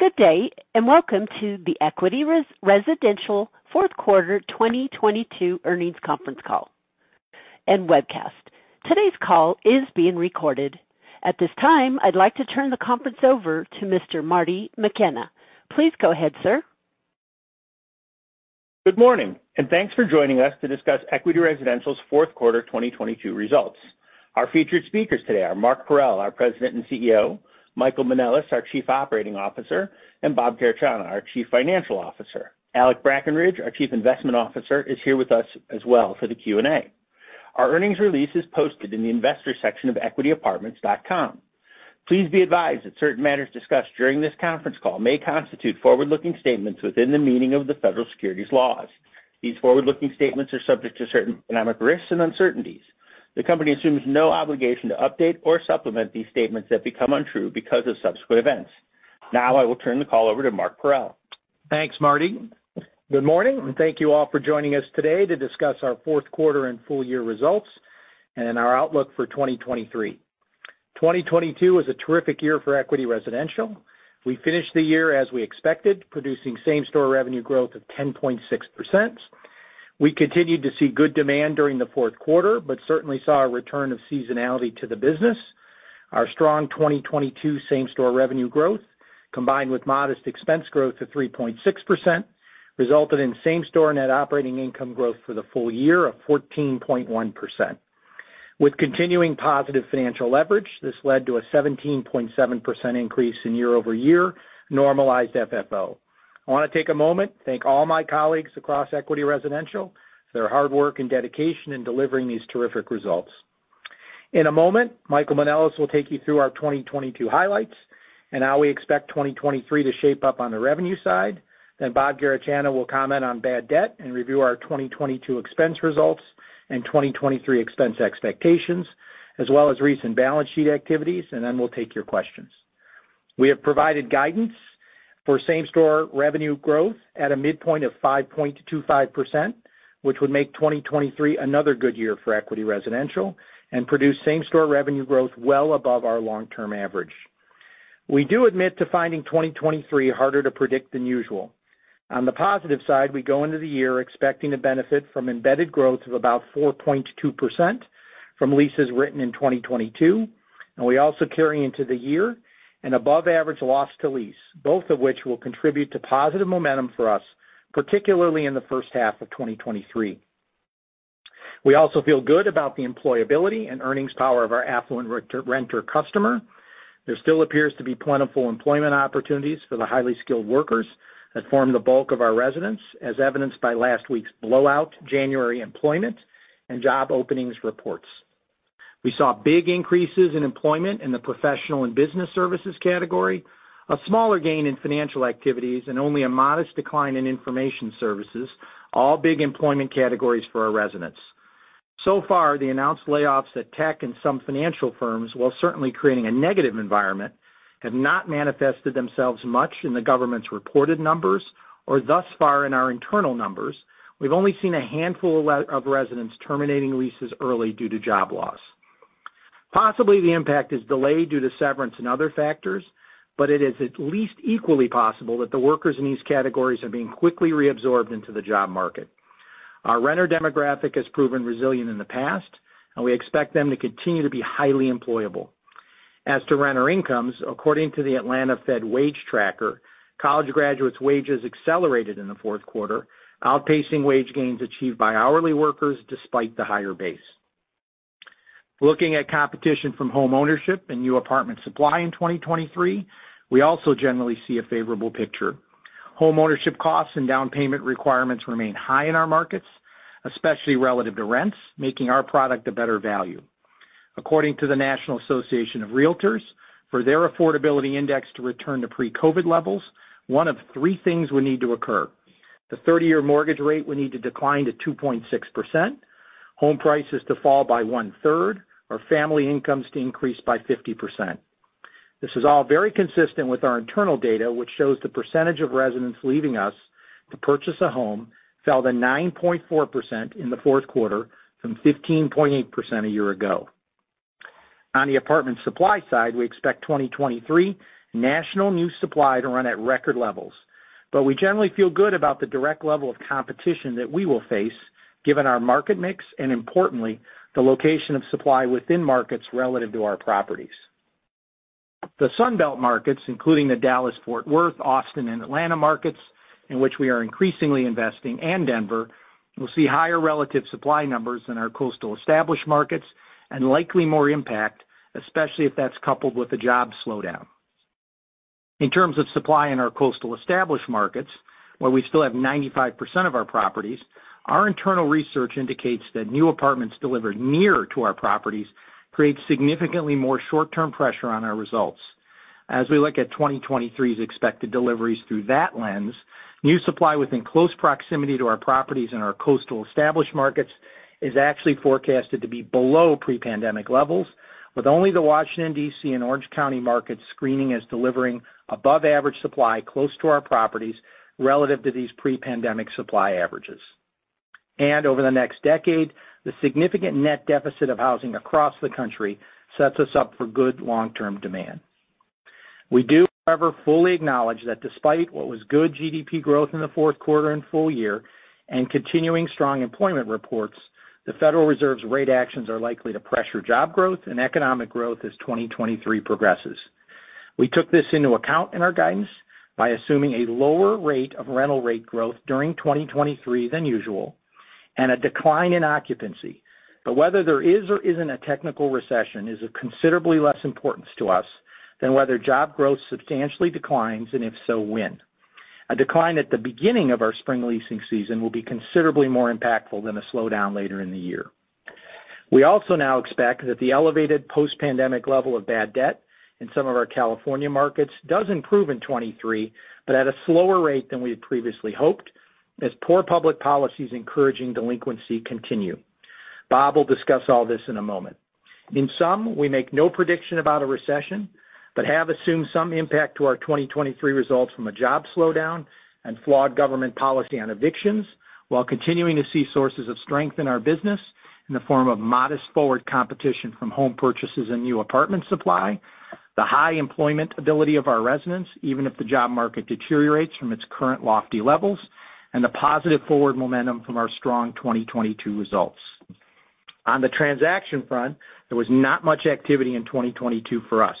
Good day, welcome to the Equity Residential Fourth Quarter 2022 Earnings Conference Call and Webcast. Today's call is being recorded. At this time, I'd like to turn the conference over to Mr. Marty McKenna. Please go ahead, sir. Good morning, thanks for joining us to discuss Equity Residential's fourth quarter 2022 results. Our featured speakers today are Mark Parrell, our President and CEO, Michael Manelis, our Chief Operating Officer, and Bob Garechana, our Chief Financial Officer. Alec Brackenridge, our Chief Investment Officer, is here with us as well for the Q&A. Our earnings release is posted in the Investors section of equityapartments.com. Please be advised that certain matters discussed during this conference call may constitute forward-looking statements within the meaning of the federal securities laws. These forward-looking statements are subject to certain economic risks and uncertainties. The company assumes no obligation to update or supplement these statements that become untrue because of subsequent events. I will turn the call over to Mark Parrell. Thanks, Marty. Good morning, thank you all for joining us today to discuss our fourth quarter and full year results and our outlook for 2023. 2022 was a terrific year for Equity Residential. We finished the year as we expected, producing same-store revenue growth of 10.6%. We continued to see good demand during the fourth quarter, certainly saw a return of seasonality to the business. Our strong 2022 same-store revenue growth, combined with modest expense growth of 3.6%, resulted in same-store net operating income growth for the full year of 14.1%. With continuing positive financial leverage, this led to a 17.7% increase in year-over-year normalized FFO. I wanna take a moment to thank all my colleagues across Equity Residential for their hard work and dedication in delivering these terrific results. In a moment, Michael Manelis will take you through our 2022 highlights and how we expect 2023 to shape up on the revenue side. Bob Garechana will comment on bad debt and review our 2022 expense results and 2023 expense expectations, as well as recent balance sheet activities. We'll take your questions. We have provided guidance for same-store revenue growth at a midpoint of 5.25%, which would make 2023 another good year for Equity Residential and produce same-store revenue growth well above our long-term average. We do admit to finding 2023 harder to predict than usual. On the positive side, we go into the year expecting to benefit from embedded growth of about 4.2% from leases written in 2022. We also carry into the year an above average loss to lease, both of which will contribute to positive momentum for us, particularly in the first half of 2023. We also feel good about the employability and earnings power of our affluent renter customer. There still appears to be plentiful employment opportunities for the highly skilled workers that form the bulk of our residents, as evidenced by last week's blowout January employment and job openings reports. We saw big increases in employment in the professional and business services category, a smaller gain in financial activities, and only a modest decline in information services, all big employment categories for our residents. Far, the announced layoffs at tech and some financial firms, while certainly creating a negative environment, have not manifested themselves much in the government's reported numbers or thus far in our internal numbers. We've only seen a handful of residents terminating leases early due to job loss. Possibly the impact is delayed due to severance and other factors, but it is at least equally possible that the workers in these categories are being quickly reabsorbed into the job market. Our renter demographic has proven resilient in the past, and we expect them to continue to be highly employable. As to renter incomes, according to the Atlanta Fed Wage Growth Tracker, college graduates' wages accelerated in the fourth quarter, outpacing wage gains achieved by hourly workers despite the higher base. Looking at competition from homeownership and new apartment supply in 2023, we also generally see a favorable picture. Homeownership costs and down payment requirements remain high in our markets, especially relative to rents, making our product a better value. According to the National Association of Realtors, for their affordability index to return to pre-COVID levels, one of three things would need to occur. The 30-year mortgage rate would need to decline to 2.6%, home prices to fall by one-third, or family incomes to increase by 50%. This is all very consistent with our internal data, which shows the percentage of residents leaving us to purchase a home fell to 9.4% in the fourth quarter from 15.8% a year ago. On the apartment supply side, we expect 2023 national new supply to run at record levels. We generally feel good about the direct level of competition that we will face given our market mix and, importantly, the location of supply within markets relative to our properties. The Sun Belt markets, including the Dallas-Fort Worth, Austin, and Atlanta markets in which we are increasingly investing, and Denver, will see higher relative supply numbers than our coastal established markets and likely more impact, especially if that's coupled with a job slowdown. In terms of supply in our coastal established markets, where we still have 95% of our properties, our internal research indicates that new apartments delivered near to our properties create significantly more short-term pressure on our results. As we look at 2023's expected deliveries through that lens, new supply within close proximity to our properties in our coastal established markets is actually forecasted to be below pre-pandemic levels, with only the Washington, D.C., and Orange County markets screening as delivering above average supply close to our properties relative to these pre-pandemic supply averages. Over the next decade, the significant net deficit of housing across the country sets us up for good long-term demand. We do, however, fully acknowledge that despite what was good GDP growth in the fourth quarter and full year and continuing strong employment reports, the Federal Reserve's rate actions are likely to pressure job growth and economic growth as 2023 progresses. We took this into account in our guidance by assuming a lower rate of rental rate growth during 2023 than usual and a decline in occupancy. Whether there is or isn't a technical recession is of considerably less importance to us than whether job growth substantially declines, and if so, when. A decline at the beginning of our spring leasing season will be considerably more impactful than a slowdown later in the year. We also now expect that the elevated post-pandemic level of bad debt in some of our California markets does improve in 23, but at a slower rate than we had previously hoped, as poor public policies encouraging delinquency continue. Bob will discuss all this in a moment. In sum, we make no prediction about a recession, have assumed some impact to our 2023 results from a job slowdown and flawed government policy on evictions while continuing to see sources of strength in our business in the form of modest forward competition from home purchases and new apartment supply, the high employment ability of our residents, even if the job market deteriorates from its current lofty levels, and the positive forward momentum from our strong 2022 results. On the transaction front, there was not much activity in 2022 for us.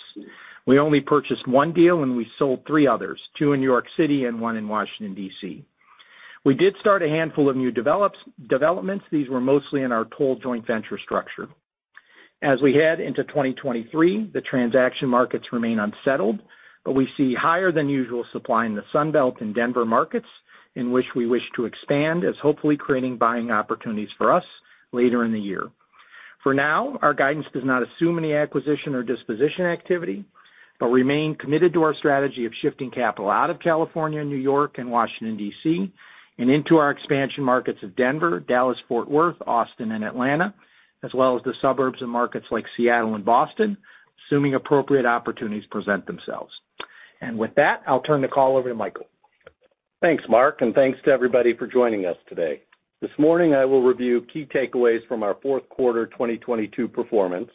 We only purchased one deal, we sold three others, two in New York City and one in Washington, D.C. We did start a handful of new developments. These were mostly in our Toll joint venture structure. As we head into 2023, the transaction markets remain unsettled, but we see higher than usual supply in the Sun Belt and Denver markets in which we wish to expand as hopefully creating buying opportunities for us later in the year. For now, our guidance does not assume any acquisition or disposition activity, but remain committed to our strategy of shifting capital out of California and New York and Washington, D.C., and into our expansion markets of Denver, Dallas-Fort Worth, Austin, and Atlanta, as well as the suburbs and markets like Seattle and Boston, assuming appropriate opportunities present themselves. With that, I'll turn the call over to Michael. Thanks, Mark. Thanks to everybody for joining us today. This morning, I will review key takeaways from our fourth quarter 2022 performance,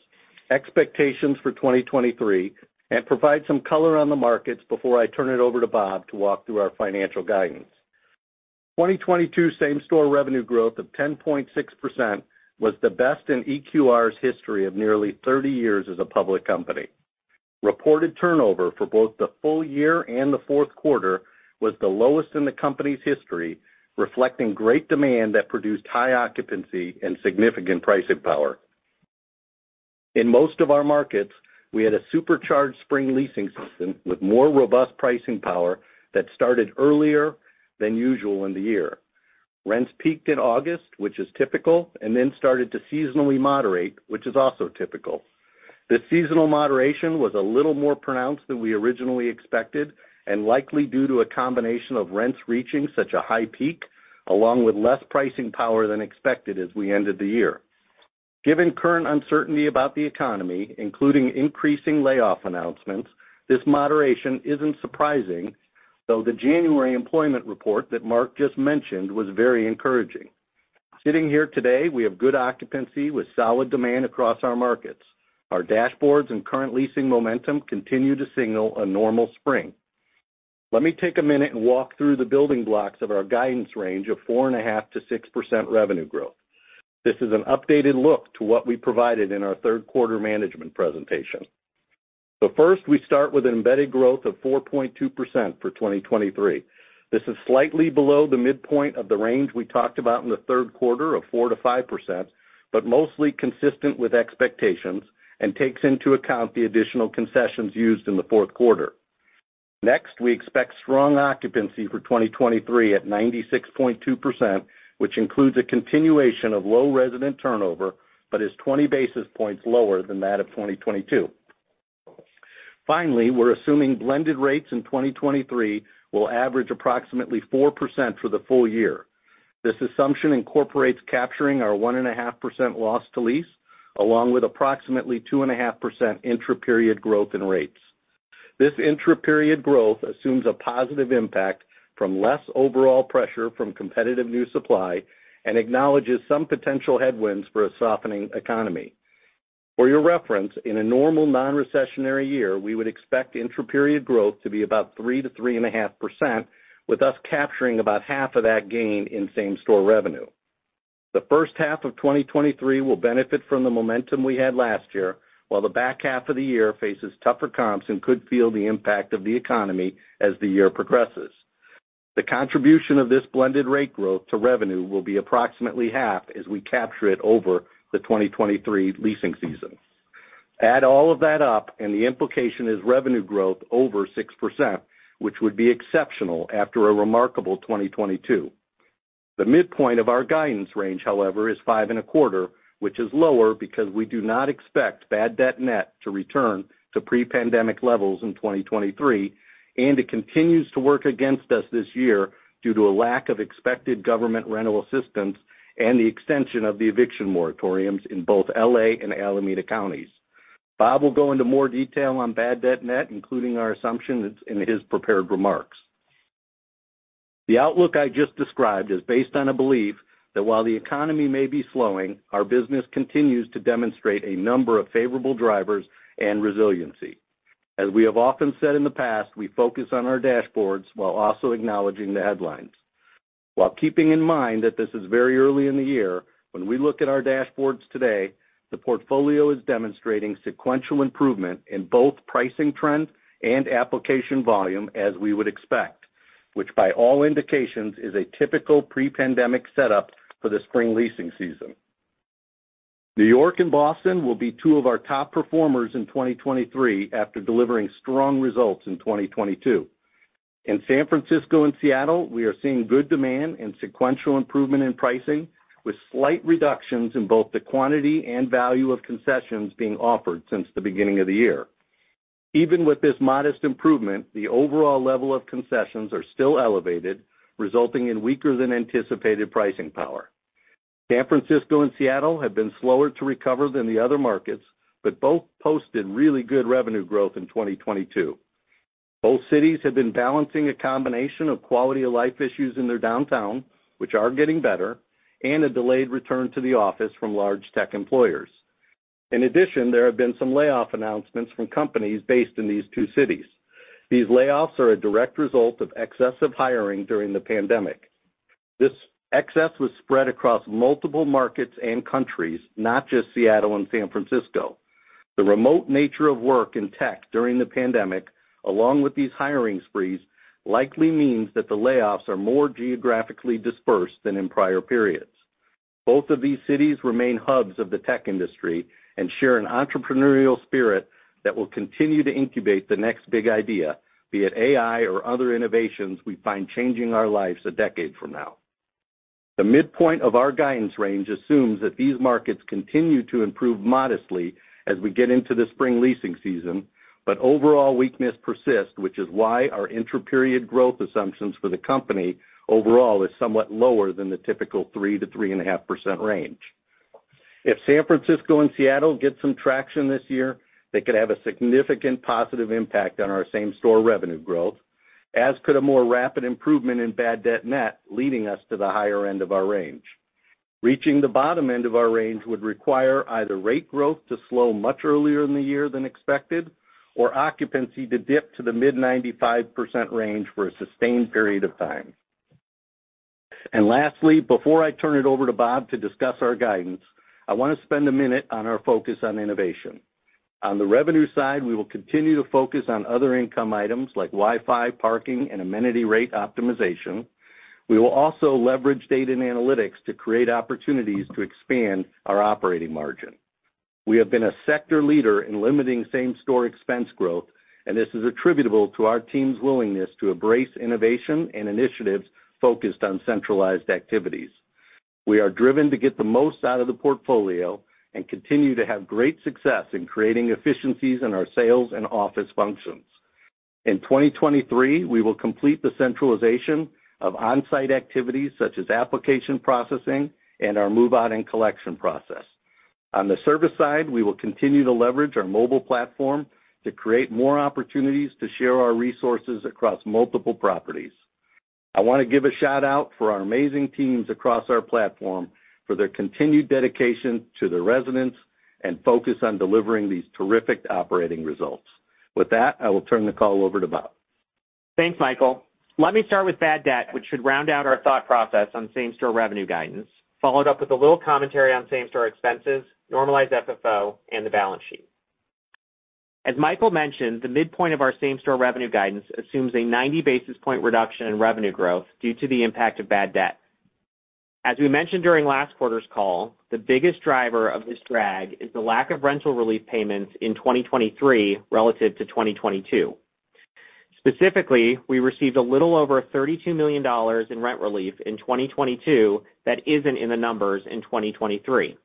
expectations for 2023, and provide some color on the markets before I turn it over to Bob to walk through our financial guidance. 2022 same-store revenue growth of 10.6% was the best in EQR's history of nearly 30 years as a public company. Reported turnover for both the full year and the fourth quarter was the lowest in the company's history, reflecting great demand that produced high occupancy and significant pricing power. In most of our markets, we had a supercharged spring leasing season with more robust pricing power that started earlier than usual in the year. Rents peaked in August, which is typical, and then started to seasonally moderate, which is also typical. This seasonal moderation was a little more pronounced than we originally expected and likely due to a combination of rents reaching such a high peak, along with less pricing power than expected as we ended the year. Given current uncertainty about the economy, including increasing layoff announcements, this moderation isn't surprising, though the January employment report that Mark just mentioned was very encouraging. Sitting here today, we have good occupancy with solid demand across our markets. Our dashboards and current leasing momentum continue to signal a normal spring. Let me take a minute and walk through the building blocks of our guidance range of 4.5%-6% revenue growth. This is an updated look to what we provided in our third quarter management presentation. First, we start with an embedded growth of 4.2% for 2023. This is slightly below the midpoint of the range we talked about in the third quarter of 4%-5%, mostly consistent with expectations and takes into account the additional concessions used in the fourth quarter. Next, we expect strong occupancy for 2023 at 96.2%, which includes a continuation of low resident turnover but is 20 basis points lower than that of 2022. Finally, we're assuming blended rates in 2023 will average approximately 4% for the full year. This assumption incorporates capturing our 1.5% loss to lease, along with approximately 2.5% intraperiod growth in rates. This intraperiod growth assumes a positive impact from less overall pressure from competitive new supply and acknowledges some potential headwinds for a softening economy. For your reference, in a normal non-recessionary year, we would expect intraperiod growth to be about 3% to 3.5%, with us capturing about half of that gain in same-store revenue. The first half of 2023 will benefit from the momentum we had last year, while the back half of the year faces tougher comps and could feel the impact of the economy as the year progresses. The contribution of this blended rate growth to revenue will be approximately half as we capture it over the 2023 leasing season. Add all of that up, the implication is revenue growth over 6%, which would be exceptional after a remarkable 2022. The midpoint of our guidance range, however, is 5.25%, which is lower because we do not expect bad debt net to return to pre-pandemic levels in 2023, and it continues to work against us this year due to a lack of expected government rental assistance and the extension of the eviction moratoriums in both L.A. and Alameda County. Bob will go into more detail on bad debt net, including our assumptions in his prepared remarks. The outlook I just described is based on a belief that while the economy may be slowing, our business continues to demonstrate a number of favorable drivers and resiliency. As we have often said in the past, we focus on our dashboards while also acknowledging the headlines. While keeping in mind that this is very early in the year, when we look at our dashboards today, the portfolio is demonstrating sequential improvement in both pricing trends and application volume as we would expect, which by all indications is a typical pre-pandemic setup for the spring leasing season. New York and Boston will be two of our top performers in 2023 after delivering strong results in 2022. In San Francisco and Seattle, we are seeing good demand and sequential improvement in pricing, with slight reductions in both the quantity and value of concessions being offered since the beginning of the year. Even with this modest improvement, the overall level of concessions are still elevated, resulting in weaker than anticipated pricing power. San Francisco and Seattle have been slower to recover than the other markets, but both posted really good revenue growth in 2022. Both cities have been balancing a combination of quality of life issues in their downtown, which are getting better, and a delayed return to the office from large tech employers. There have been some layoff announcements from companies based in these two cities. These layoffs are a direct result of excessive hiring during the pandemic. This excess was spread across multiple markets and countries, not just Seattle and San Francisco. The remote nature of work in tech during the pandemic, along with these hiring sprees, likely means that the layoffs are more geographically dispersed than in prior periods. Both of these cities remain hubs of the tech industry and share an entrepreneurial spirit that will continue to incubate the next big idea, be it AI or other innovations we find changing our lives a decade from now. The midpoint of our guidance range assumes that these markets continue to improve modestly as we get into the spring leasing season, overall weakness persists, which is why our intraperiod growth assumptions for the company overall is somewhat lower than the typical 3%-3.5% range. If San Francisco and Seattle get some traction this year, they could have a significant positive impact on our same-store revenue growth, as could a more rapid improvement in bad debt net leading us to the higher end of our range. Reaching the bottom end of our range would require either rate growth to slow much earlier in the year than expected or occupancy to dip to the mid 95% range for a sustained period of time. Lastly, before I turn it over to Bob to discuss our guidance, I want to spend a minute on our focus on innovation. On the revenue side, we will continue to focus on other income items like Wi-Fi, parking, and amenity rate optimization. We will also leverage data and analytics to create opportunities to expand our operating margin. We have been a sector leader in limiting same-store expense growth, and this is attributable to our team's willingness to embrace innovation and initiatives focused on centralized activities. We are driven to get the most out of the portfolio and continue to have great success in creating efficiencies in our sales and office functions. In 2023, we will complete the centralization of on-site activities such as application processing and our move-out and collection process. On the service side, we will continue to leverage our mobile platform to create more opportunities to share our resources across multiple properties. I want to give a shout-out for our amazing teams across our platform for their continued dedication to the residents and focus on delivering these terrific operating results. With that, I will turn the call over to Bob. Thanks, Michael. Let me start with bad debt, which should round out our thought process on same-store revenue guidance, followed up with a little commentary on same-store expenses, normalized FFO, and the balance sheet. As Michael mentioned, the midpoint of our same-store revenue guidance assumes a 90 basis point reduction in revenue growth due to the impact of bad debt. As we mentioned during last quarter's call, the biggest driver of this drag is the lack of rental relief payments in 2023 relative to 2022. Specifically, we received a little over $32 million in rent relief in 2022 that isn't in the numbers in 2023.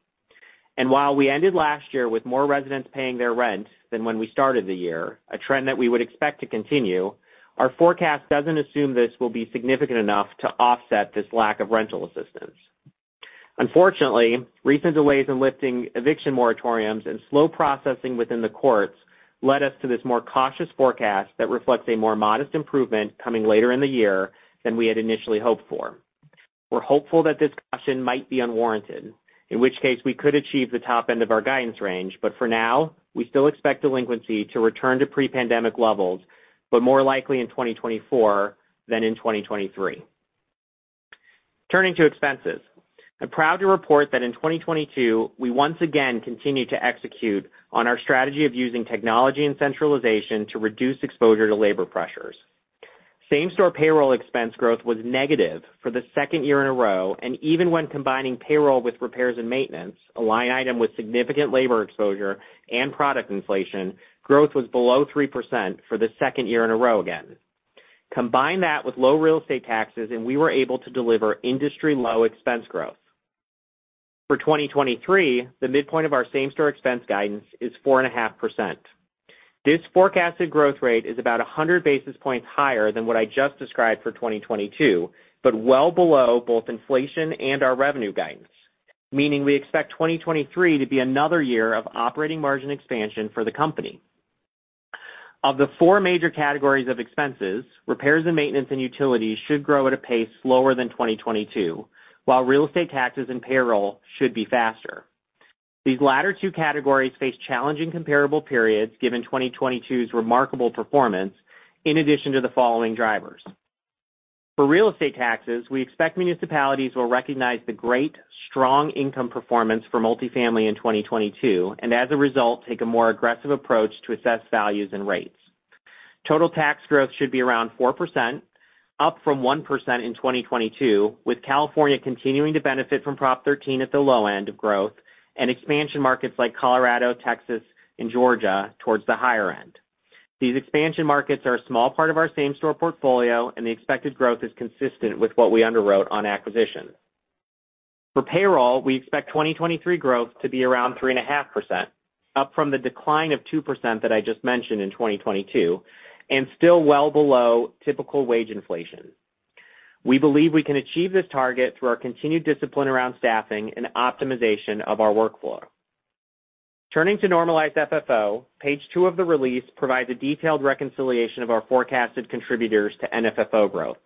While we ended last year with more residents paying their rent than when we started the year, a trend that we would expect to continue, our forecast doesn't assume this will be significant enough to offset this lack of rental assistance. Unfortunately, recent delays in lifting eviction moratoriums and slow processing within the courts led us to this more cautious forecast that reflects a more modest improvement coming later in the year than we had initially hoped for. We're hopeful that this caution might be unwarranted, in which case we could achieve the top end of our guidance range. For now, we still expect delinquency to return to pre-pandemic levels, but more likely in 2024 than in 2023. Turning to expenses. I'm proud to report that in 2022, we once again continued to execute on our strategy of using technology and centralization to reduce exposure to labor pressures. Same-store payroll expense growth was negative for the second year in a row. Even when combining payroll with repairs and maintenance, a line item with significant labor exposure and product inflation, growth was below 3% for the second year in a row again. Combine that with low real estate taxes, we were able to deliver industry-low expense growth. For 2023, the midpoint of our same-store expense guidance is 4.5%. This forecasted growth rate is about 100 basis points higher than what I just described for 2022, well below both inflation and our revenue guidance, meaning we expect 2023 to be another year of operating margin expansion for the company. Of the four major categories of expenses, repairs and maintenance and utilities should grow at a pace slower than 2022, while real estate taxes and payroll should be faster. These latter two categories face challenging comparable periods given 2022's remarkable performance in addition to the following drivers. For real estate taxes, we expect municipalities will recognize the great strong income performance for multifamily in 2022, and as a result, take a more aggressive approach to assess values and rates. Total tax growth should be around 4%, up from 1% in 2022, with California continuing to benefit from Proposition 13 at the low end of growth and expansion markets like Colorado, Texas, and Georgia towards the higher end. These expansion markets are a small part of our same-store portfolio, and the expected growth is consistent with what we underwrote on acquisitions. For payroll, we expect 2023 growth to be around 3.5%, up from the decline of 2% that I just mentioned in 2022, and still well below typical wage inflation. We believe we can achieve this target through our continued discipline around staffing and optimization of our workflow. Turning to normalized FFO, page two of the release provides a detailed reconciliation of our forecasted contributors to NFFO growth.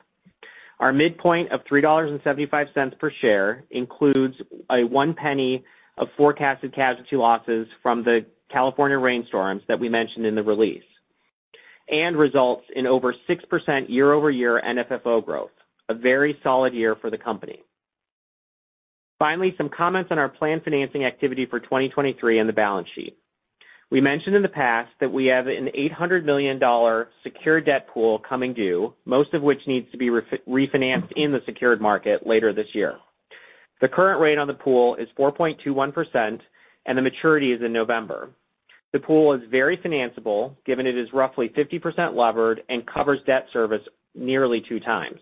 Our midpoint of $3.75 per share includes a $0.01 of forecasted casualty losses from the California rainstorms that we mentioned in the release and results in over 6% year-over-year NFFO growth, a very solid year for the company. Finally, some comments on our planned financing activity for 2023 and the balance sheet. We mentioned in the past that we have an $800 million secured debt pool coming due, most of which needs to be refinanced in the secured market later this year. The current rate on the pool is 4.21%, and the maturity is in November. The pool is very financeable, given it is roughly 50% levered and covers debt service nearly two times.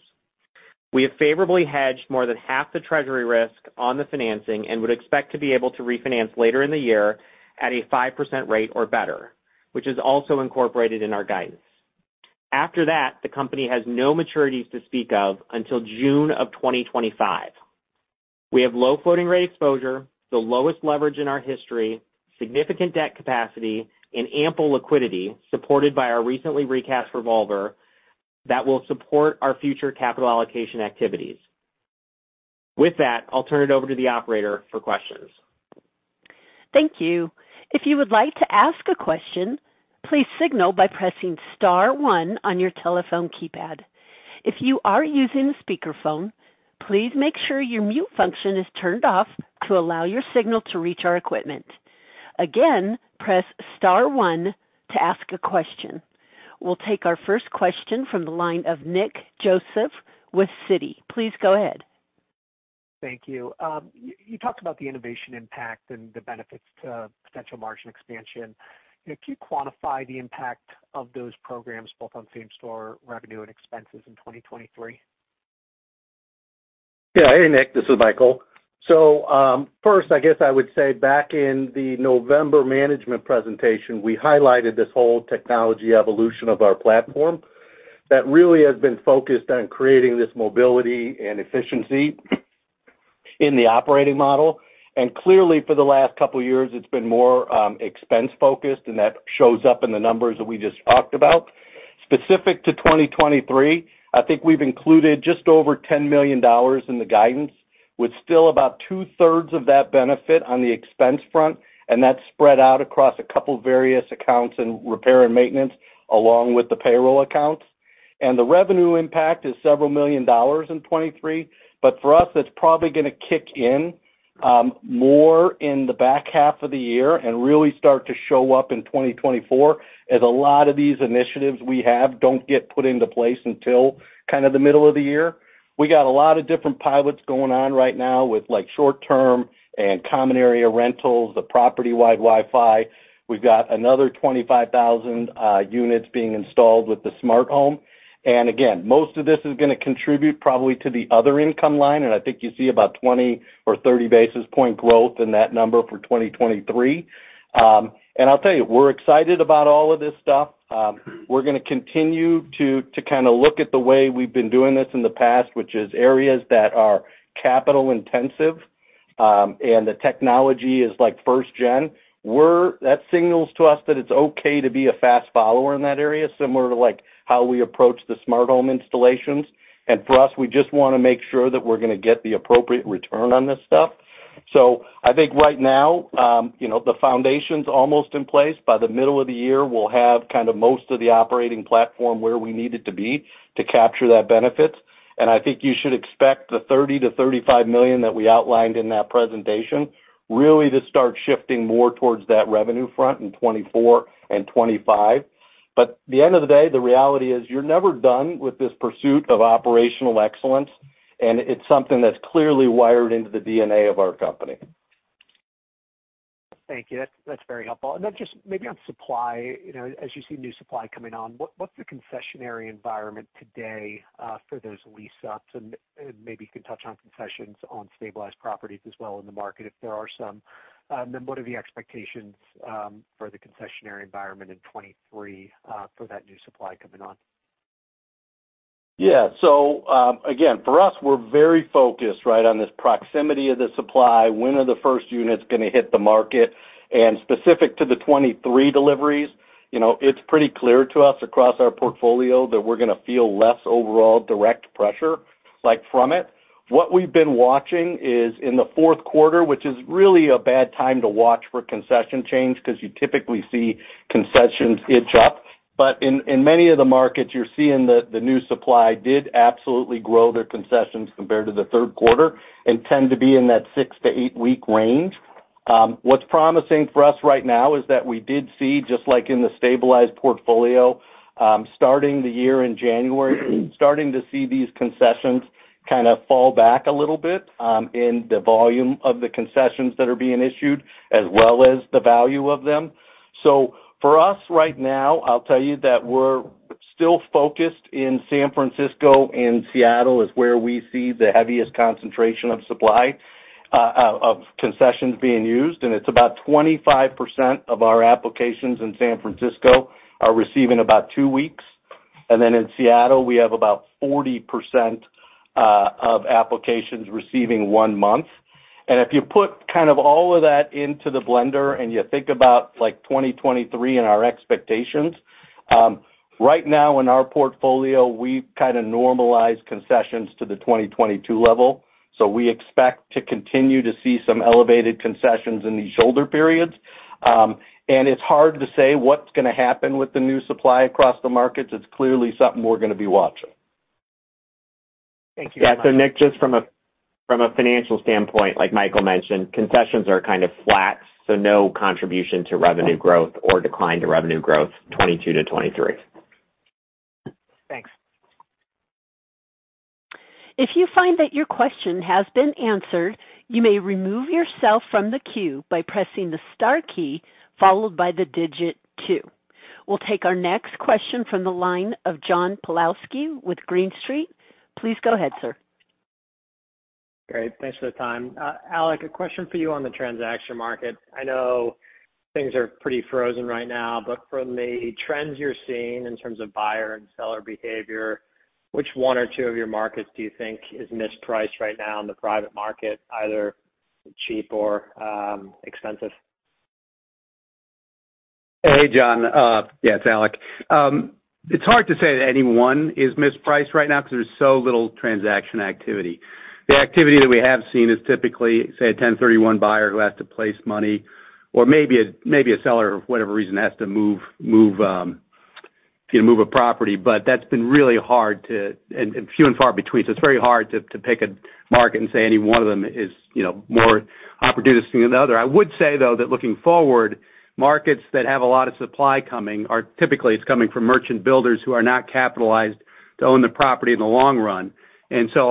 We have favorably hedged more than half the treasury risk on the financing and would expect to be able to refinance later in the year at a 5% rate or better, which is also incorporated in our guidance. After that, the company has no maturities to speak of until June of 2025. We have low floating rate exposure, the lowest leverage in our history, significant debt capacity, and ample liquidity supported by our recently recast revolver that will support our future capital allocation activities. With that, I'll turn it over to the operator for questions. Thank you. If you would like to ask a question, please signal by pressing star one on your telephone keypad. If you are using a speakerphone, please make sure your mute function is turned off to allow your signal to reach our equipment. Again, press star one to ask a question. We'll take our first question from the line of Nick Joseph with Citi. Please go ahead. Thank you. You talked about the innovation impact and the benefits to potential margin expansion. Can you quantify the impact of those programs both on same-store revenue and expenses in 2023? Hey, Nick, this is Michael. First, I guess I would say back in the November management presentation, we highlighted this whole technology evolution of our platform that really has been focused on creating this mobility and efficiency in the operating model. Clearly for the last couple of years, it's been more expense-focused, and that shows up in the numbers that we just talked about. Specific to 2023, I think we've included just over $10 million in the guidance, with still about 2/3 of that benefit on the expense front, and that's spread out across a couple of various accounts in repair and maintenance, along with the payroll accounts. The revenue impact is several million dollars in 2023. For us, it's probably going to kick in more in the back half of the year and really start to show up in 2024, as a lot of these initiatives we have don't get put into place until kind of the middle of the year. We got a lot of different pilots going on right now with, like, short term and common area rentals, the property-wide Wi-Fi. We've got another 25,000 units being installed with the smart home. Again, most of this is going to contribute probably to the other income line, and I think you see about 20 or 30 basis point growth in that number for 2023. I'll tell you, we're excited about all of this stuff. We're gonna continue to kinda look at the way we've been doing this in the past, which is areas that are capital intensive, and the technology is, like, first gen. That signals to us that it's okay to be a fast follower in that area, similar to, like, how we approach the smart home installations. For us, we just wanna make sure that we're gonna get the appropriate return on this stuff. I think right now, you know, the foundation's almost in place. By the middle of the year, we'll have kind of most of the operating platform where we need it to be to capture that benefit. I think you should expect the $30 million-$35 million that we outlined in that presentation really to start shifting more towards that revenue front in 2024 and 2025. At the end of the day, the reality is you're never done with this pursuit of operational excellence, and it's something that's clearly wired into the DNA of our company. Thank you. That's very helpful. Just maybe on supply, you know, as you see new supply coming on, what's the concessionary environment today for those lease ups? Maybe you can touch on concessions on stabilized properties as well in the market if there are some. What are the expectations for the concessionary environment in 23 for that new supply coming on? Again, for us, we're very focused, right, on this proximity of the supply. When are the first units gonna hit the market? Specific to the 23 deliveries, you know, it's pretty clear to us across our portfolio that we're gonna feel less overall direct pressure, like, from it. What we've been watching is in the fourth quarter, which is really a bad time to watch for concession change because you typically see concessions itch up. In many of the markets, you're seeing the new supply did absolutely grow their concessions compared to the third quarter and tend to be in that six to eight-week range. What's promising for us right now is that we did see, just like in the stabilized portfolio, starting the year in January, starting to see these concessions kind of fall back a little bit, in the volume of the concessions that are being issued as well as the value of them. For us right now, I'll tell you that we're still focused in San Francisco and Seattle is where we see the heaviest concentration of supply of concessions being used. It's about 25% of our applications in San Francisco are receiving about two weeks. Then in Seattle, we have about 40% of applications receiving one month If you put kind of all of that into the blender and you think about like 2023 and our expectations, right now in our portfolio, we've kinda normalized concessions to the 2022 level. We expect to continue to see some elevated concessions in these shoulder periods. It's hard to say what's gonna happen with the new supply across the markets. It's clearly something we're gonna be watching. Thank you. Yeah. Nick, just from a, from a financial standpoint, like Michael Manelis mentioned, concessions are kind of flat, so no contribution to revenue growth or decline to revenue growth, 2022-2023. Thanks. If you find that your question has been answered, you may remove yourself from the queue by pressing the star key followed by the digit two. We'll take our next question from the line of John Pawlowski with Green Street. Please go ahead, sir. Great. Thanks for the time. Alec, a question for you on the transaction market. I know things are pretty frozen right now. From the trends you're seeing in terms of buyer and seller behavior, which one or two of your markets do you think is mispriced right now in the private market, either cheap or expensive? Hey, John. Yeah, it's Alec. It's hard to say that any one is mispriced right now because there's so little transaction activity. The activity that we have seen is typically, say, a 1031 buyer who has to place money or maybe a seller, for whatever reason, has to move, you know, move a property. That's been really hard to. Few and far between. It's very hard to pick a market and say any one of them is, you know, more opportunistic than the other. I would say, though, that looking forward, markets that have a lot of supply coming are typically it's coming from merchant builders who are not capitalized to own the property in the long run.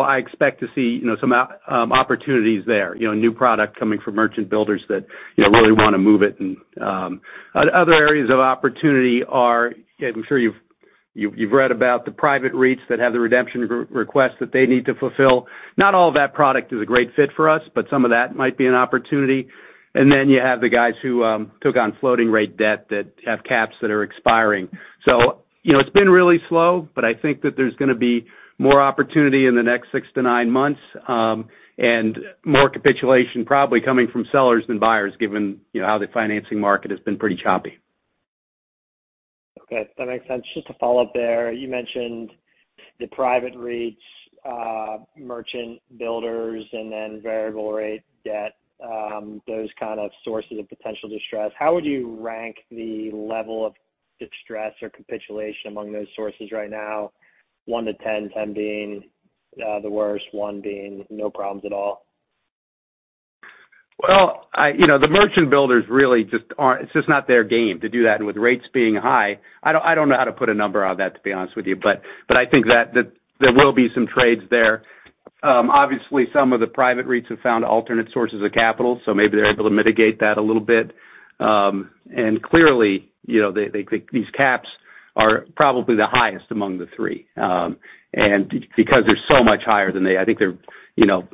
I expect to see, you know, some opportunities there. You know, new product coming from merchant builders that, you know, really wanna move it. Other areas of opportunity are. I'm sure you've read about the private REITs that have the redemption re-request that they need to fulfill. Not all of that product is a great fit for us, but some of that might be an opportunity. Then you have the guys who took on floating rate debt that have caps that are expiring. You know, it's been really slow, but I think that there's gonna be more opportunity in the next six to nine months, and more capitulation probably coming from sellers than buyers, given, you know, how the financing market has been pretty choppy. Okay, that makes sense. Just to follow up there, you mentioned the private REITs, merchant builders, and then variable rate debt, those kind of sources of potential distress. How would you rank the level of distress or capitulation among those sources right now, one to 10 being, the worst, one being no problems at all? Well, you know, the merchant builders really just aren't it's just not their game to do that. With rates being high, I don't, I don't know how to put a number on that, to be honest with you. I think that there will be some trades there. Obviously some of the private REITs have found alternate sources of capital, so maybe they're able to mitigate that a little bit. Clearly, you know, they these caps are probably the highest among the three, and because they're so much higher than they I think they're, you know,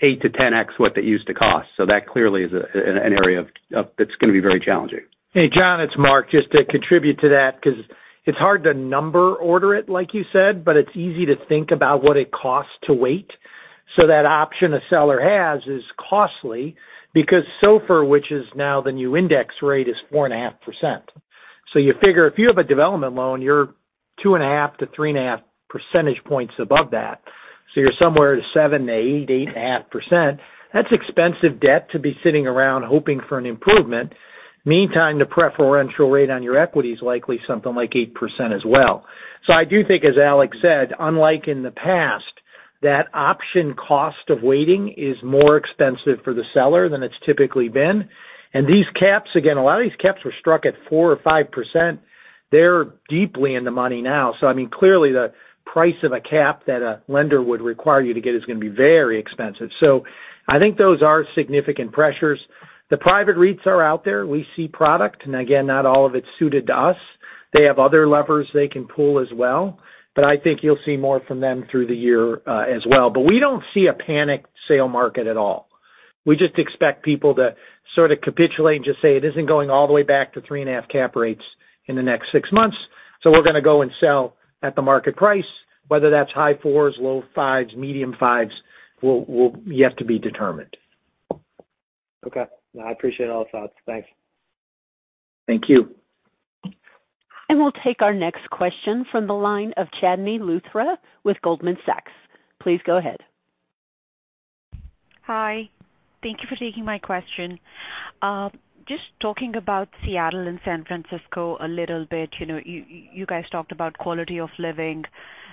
eight to 10x what they used to cost. That clearly is an area of that's gonna be very challenging. Hey, John, it's Mark. Just to contribute to that, because it's hard to number order it like you said, but it's easy to think about what it costs to wait. That option a seller has is costly because SOFR, which is now the new index rate, is 4.5%. You figure if you have a development loan, you're 2.5-3.5 percentage points above that. You're somewhere to 7%-8.5%. That's expensive debt to be sitting around hoping for an improvement. Meantime, the preferential rate on your equity is likely something like 8% as well. I do think, as Alec said, unlike in the past, that option cost of waiting is more expensive for the seller than it's typically been. These caps, again, a lot of these caps were struck at 4% or 5%. They're deeply in the money now. I mean, clearly the price of a cap that a lender would require you to get is gonna be very expensive. I think those are significant pressures. The private REITs are out there. We see product, and again, not all of it's suited to us. They have other levers they can pull as well, but I think you'll see more from them through the year as well. We don't see a panic sale market at all. We just expect people to sort of capitulate and just say it isn't going all the way back to 3.5 cap rates in the next six months. We're gonna go and sell at the market price. Whether that's high 4%, low 5%, medium 5% will yet to be determined. Okay. No, I appreciate all the thoughts. Thanks. Thank you. We'll take our next question from the line of Chandni Luthra with Goldman Sachs. Please go ahead. Hi. Thank you for taking my question. Just talking about Seattle and San Francisco a little bit. You know, you guys talked about quality of living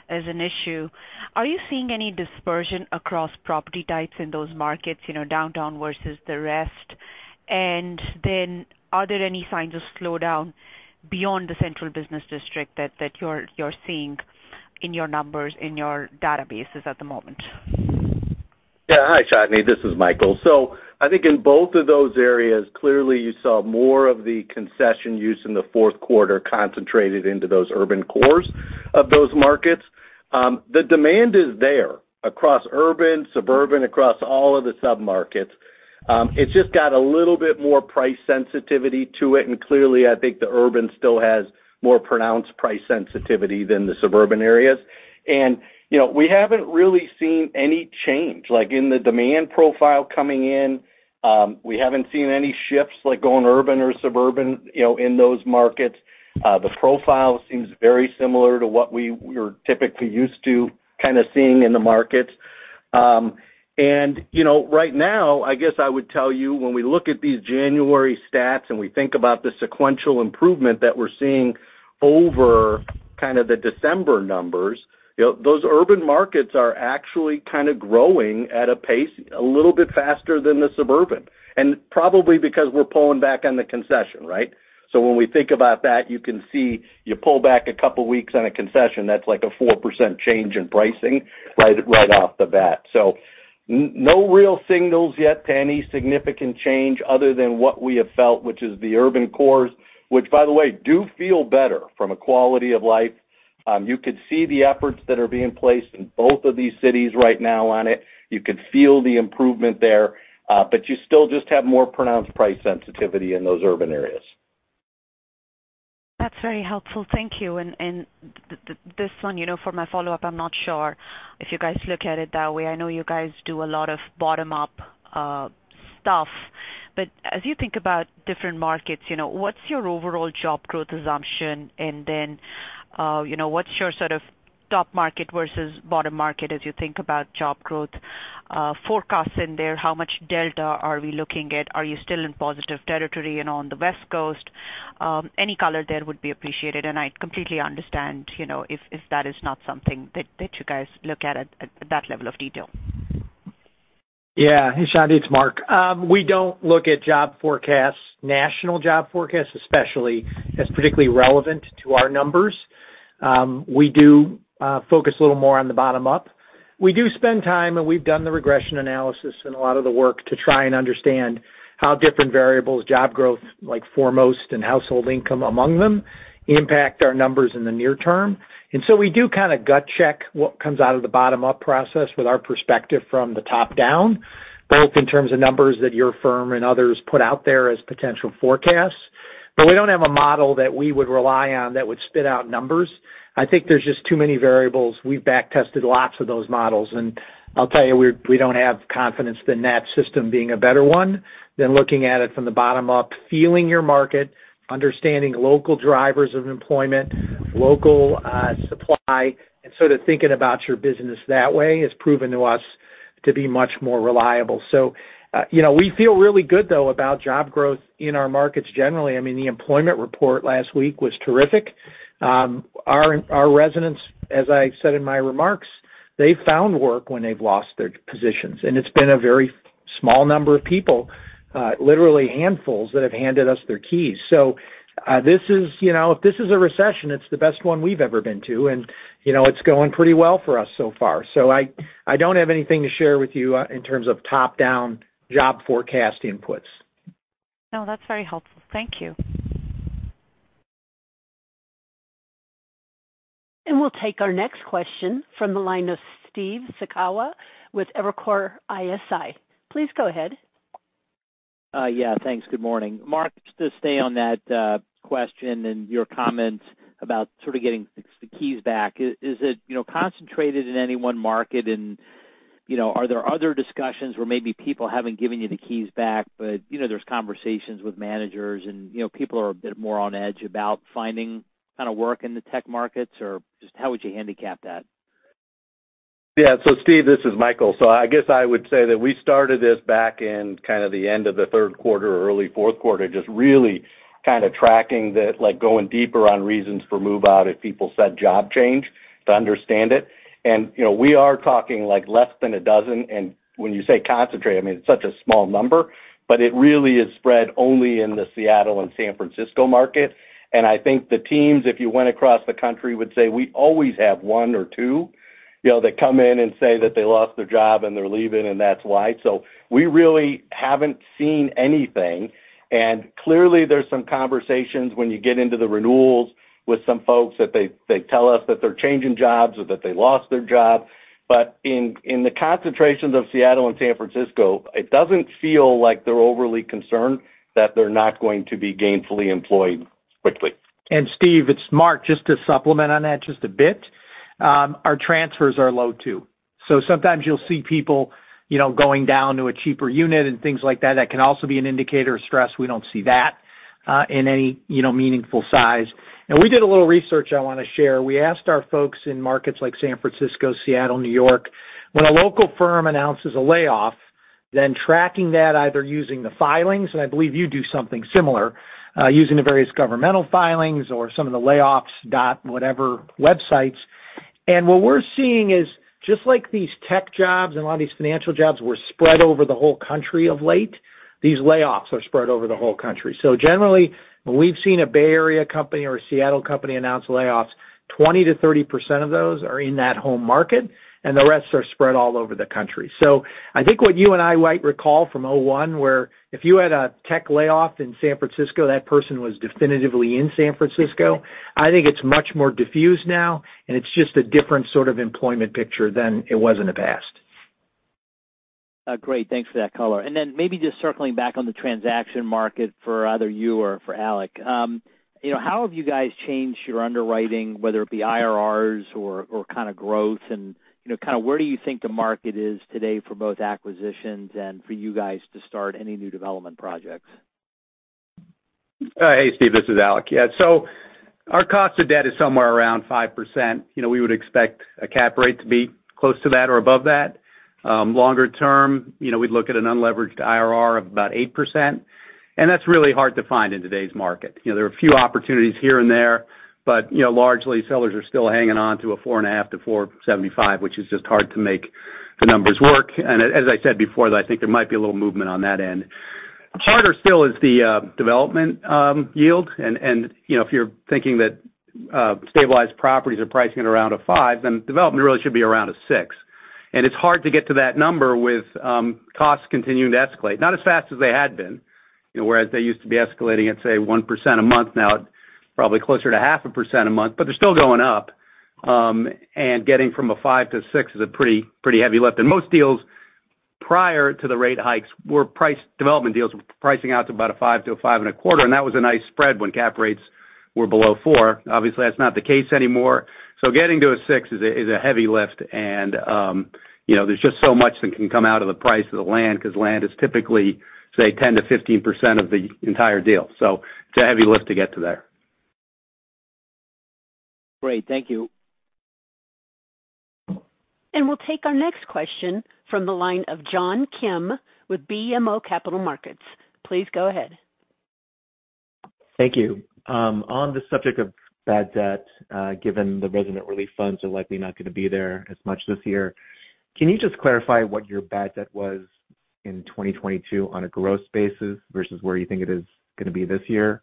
as an issue. Are you seeing any dispersion across property types in those markets, you know, downtown versus the rest? Are there any signs of slowdown beyond the central business district that you're seeing in your numbers, in your databases at the moment? Yeah. Hi, Chandni. This is Michael. I think in both of those areas, clearly you saw more of the concession use in the fourth quarter concentrated into those urban cores of those markets. The demand is there across urban, suburban, across all of the sub-markets. It's just got a little bit more price sensitivity to it, and clearly, I think the urban still has more pronounced price sensitivity than the suburban areas. You know, we haven't really seen any change, like, in the demand profile coming in, we haven't seen any shifts like going urban or suburban, you know, in those markets. The profile seems very similar to what we're typically used to kind of seeing in the markets. You know, right now, I guess I would tell you, when we look at these January stats, and we think about the sequential improvement that we're seeing over kind of the December numbers, you know, those urban markets are actually kind of growing at a pace a little bit faster than the suburban. Probably because we're pulling back on the concession, right? When we think about that, you can see you pull back a couple of weeks on a concession, that's like a 4% change in pricing right off the bat. No real signals yet to any significant change other than what we have felt, which is the urban cores, which, by the way, do feel better from a quality of life. You could see the efforts that are being placed in both of these cities right now on it. You can feel the improvement there, but you still just have more pronounced price sensitivity in those urban areas. That's very helpful. Thank you. This one, you know, for my follow-up, I'm not sure if you guys look at it that way. I know you guys do a lot of bottom-up stuff. As you think about different markets, you know, what's your overall job growth assumption? Then, you know, what's your sort of top market versus bottom market as you think about job growth forecasts in there? How much delta are we looking at? Are you still in positive territory, you know, on the West Coast? Any color there would be appreciated. I completely understand, you know, if that is not something that you guys look at that level of detail. Yeah. Hey, Chandni, it's Mark. We don't look at job forecasts, national job forecasts, especially, as particularly relevant to our numbers. We do focus a little more on the bottom up. We do spend time, and we've done the regression analysis and a lot of the work to try and understand how different variables, job growth, like foremost and household income among them, impact our numbers in the near term. We do kind of gut check what comes out of the bottom-up process with our perspective from the top down, both in terms of numbers that your firm and others put out there as potential forecasts. We don't have a model that we would rely on that would spit out numbers. I think there's just too many variables. We've back-tested lots of those models, and I'll tell you, we don't have confidence in that system being a better one than looking at it from the bottom up, feeling your market, understanding local drivers of employment, local supply, and sort of thinking about your business that way has proven to us to be much more reliable. you know, we feel really good, though, about job growth in our markets generally. I mean, the employment report last week was terrific. our residents, as I said in my remarks, they've found work when they've lost their positions, and it's been a very small number of people, literally handfuls that have handed us their keys. this is, you know, if this is a recession, it's the best one we've ever been to. you know, it's going pretty well for us so far. I don't have anything to share with you in terms of top-down job forecast inputs. No, that's very helpful. Thank you. We'll take our next question from the line of Steve Sakwa with Evercore ISI. Please go ahead. Yeah, thanks. Good morning. Mark, just to stay on that question and your comments about sort of getting the keys back. Is it, you know, concentrated in any one market? You know, are there other discussions where maybe people haven't given you the keys back, but, you know, there's conversations with managers and, you know, people are a bit more on edge about finding kind of work in the tech markets, or just how would you handicap that? Yeah. Steve, this is Michael. I guess I would say that we started this back in kind of the end of the third quarter or early fourth quarter, just really kind of tracking like going deeper on reasons for move-out if people said job change to understand it. You know, we are talking like less than a dozen, and when you say concentrated, I mean, it's such a small number, but it really is spread only in the Seattle and San Francisco market. I think the teams, if you went across the country, would say we always have one or two, you know, that come in and say that they lost their job and they're leaving and that's why. We really haven't seen anything. Clearly, there's some conversations when you get into the renewals with some folks that they tell us that they're changing jobs or that they lost their job. In the concentrations of Seattle and San Francisco, it doesn't feel like they're overly concerned that they're not going to be gainfully employed quickly. Steve, it's Mark. Just to supplement on that just a bit. Our transfers are low too. Sometimes you'll see people, you know, going down to a cheaper unit and things like that. That can also be an indicator of stress. We don't see that in any, you know, meaningful size. We did a little research I wanna share. We asked our folks in markets like San Francisco, Seattle, New York, when a local firm announces a layoff, then tracking that either using the filings, and I believe you do something similar, using the various governmental filings or some of the layoffs dot whatever websites. What we're seeing is just like these tech jobs and a lot of these financial jobs were spread over the whole country of late, these layoffs are spread over the whole country. Generally, when we've seen a Bay Area company or a Seattle company announce layoffs, 20%-30% of those are in that home market, and the rest are spread all over the country. I think what you and I might recall from 2001, where if you had a tech layoff in San Francisco, that person was definitively in San Francisco. I think it's much more diffused now, and it's just a different sort of employment picture than it was in the past. Great. Thanks for that color. Maybe just circling back on the transaction market for either you or for Alec. You know, how have you guys changed your underwriting, whether it be IRRs or kind of growth and, you know, kind of where do you think the market is today for both acquisitions and for you guys to start any new development projects? Hey, Steve, this is Alec. Yeah. Our cost of debt is somewhere around 5%. You know, we would expect a cap rate to be close to that or above that. Longer term, you know, we'd look at an unleveraged IRR of about 8%, that's really hard to find in today's market. You know, there are a few opportunities here and there, you know, largely sellers are still hanging on to a 4.5%-4.75%, which is just hard to make the numbers work. As I said before, that I think there might be a little movement on that end. Harder still is the development yield. You know, if you're thinking that stabilized properties are pricing at around a 5%, development really should be around a 6%. It's hard to get to that number with costs continuing to escalate, not as fast as they had been. You know, whereas they used to be escalating at, say, 1% a month, now it probably closer to 0.5% a month, but they're still going up. Getting from a five to six is a pretty heavy lift. Most deals prior to the rate hikes were development deals pricing out to about a five to a five and a quarter, and that was a nice spread when cap rates were below four. Obviously, that's not the case anymore. Getting to a six is a heavy lift and, you know, there's just so much that can come out of the price of the land because land is typically, say, 10%-15% of the entire deal. It's a heavy lift to get to there. Great. Thank you. We'll take our next question from the line of John Kim with BMO Capital Markets. Please go ahead. Thank you. On the subject of bad debt, given the resident relief funds are likely not going to be there as much this year, can you just clarify what your bad debt was in 2022 on a growth basis versus where you think it is going to be this year?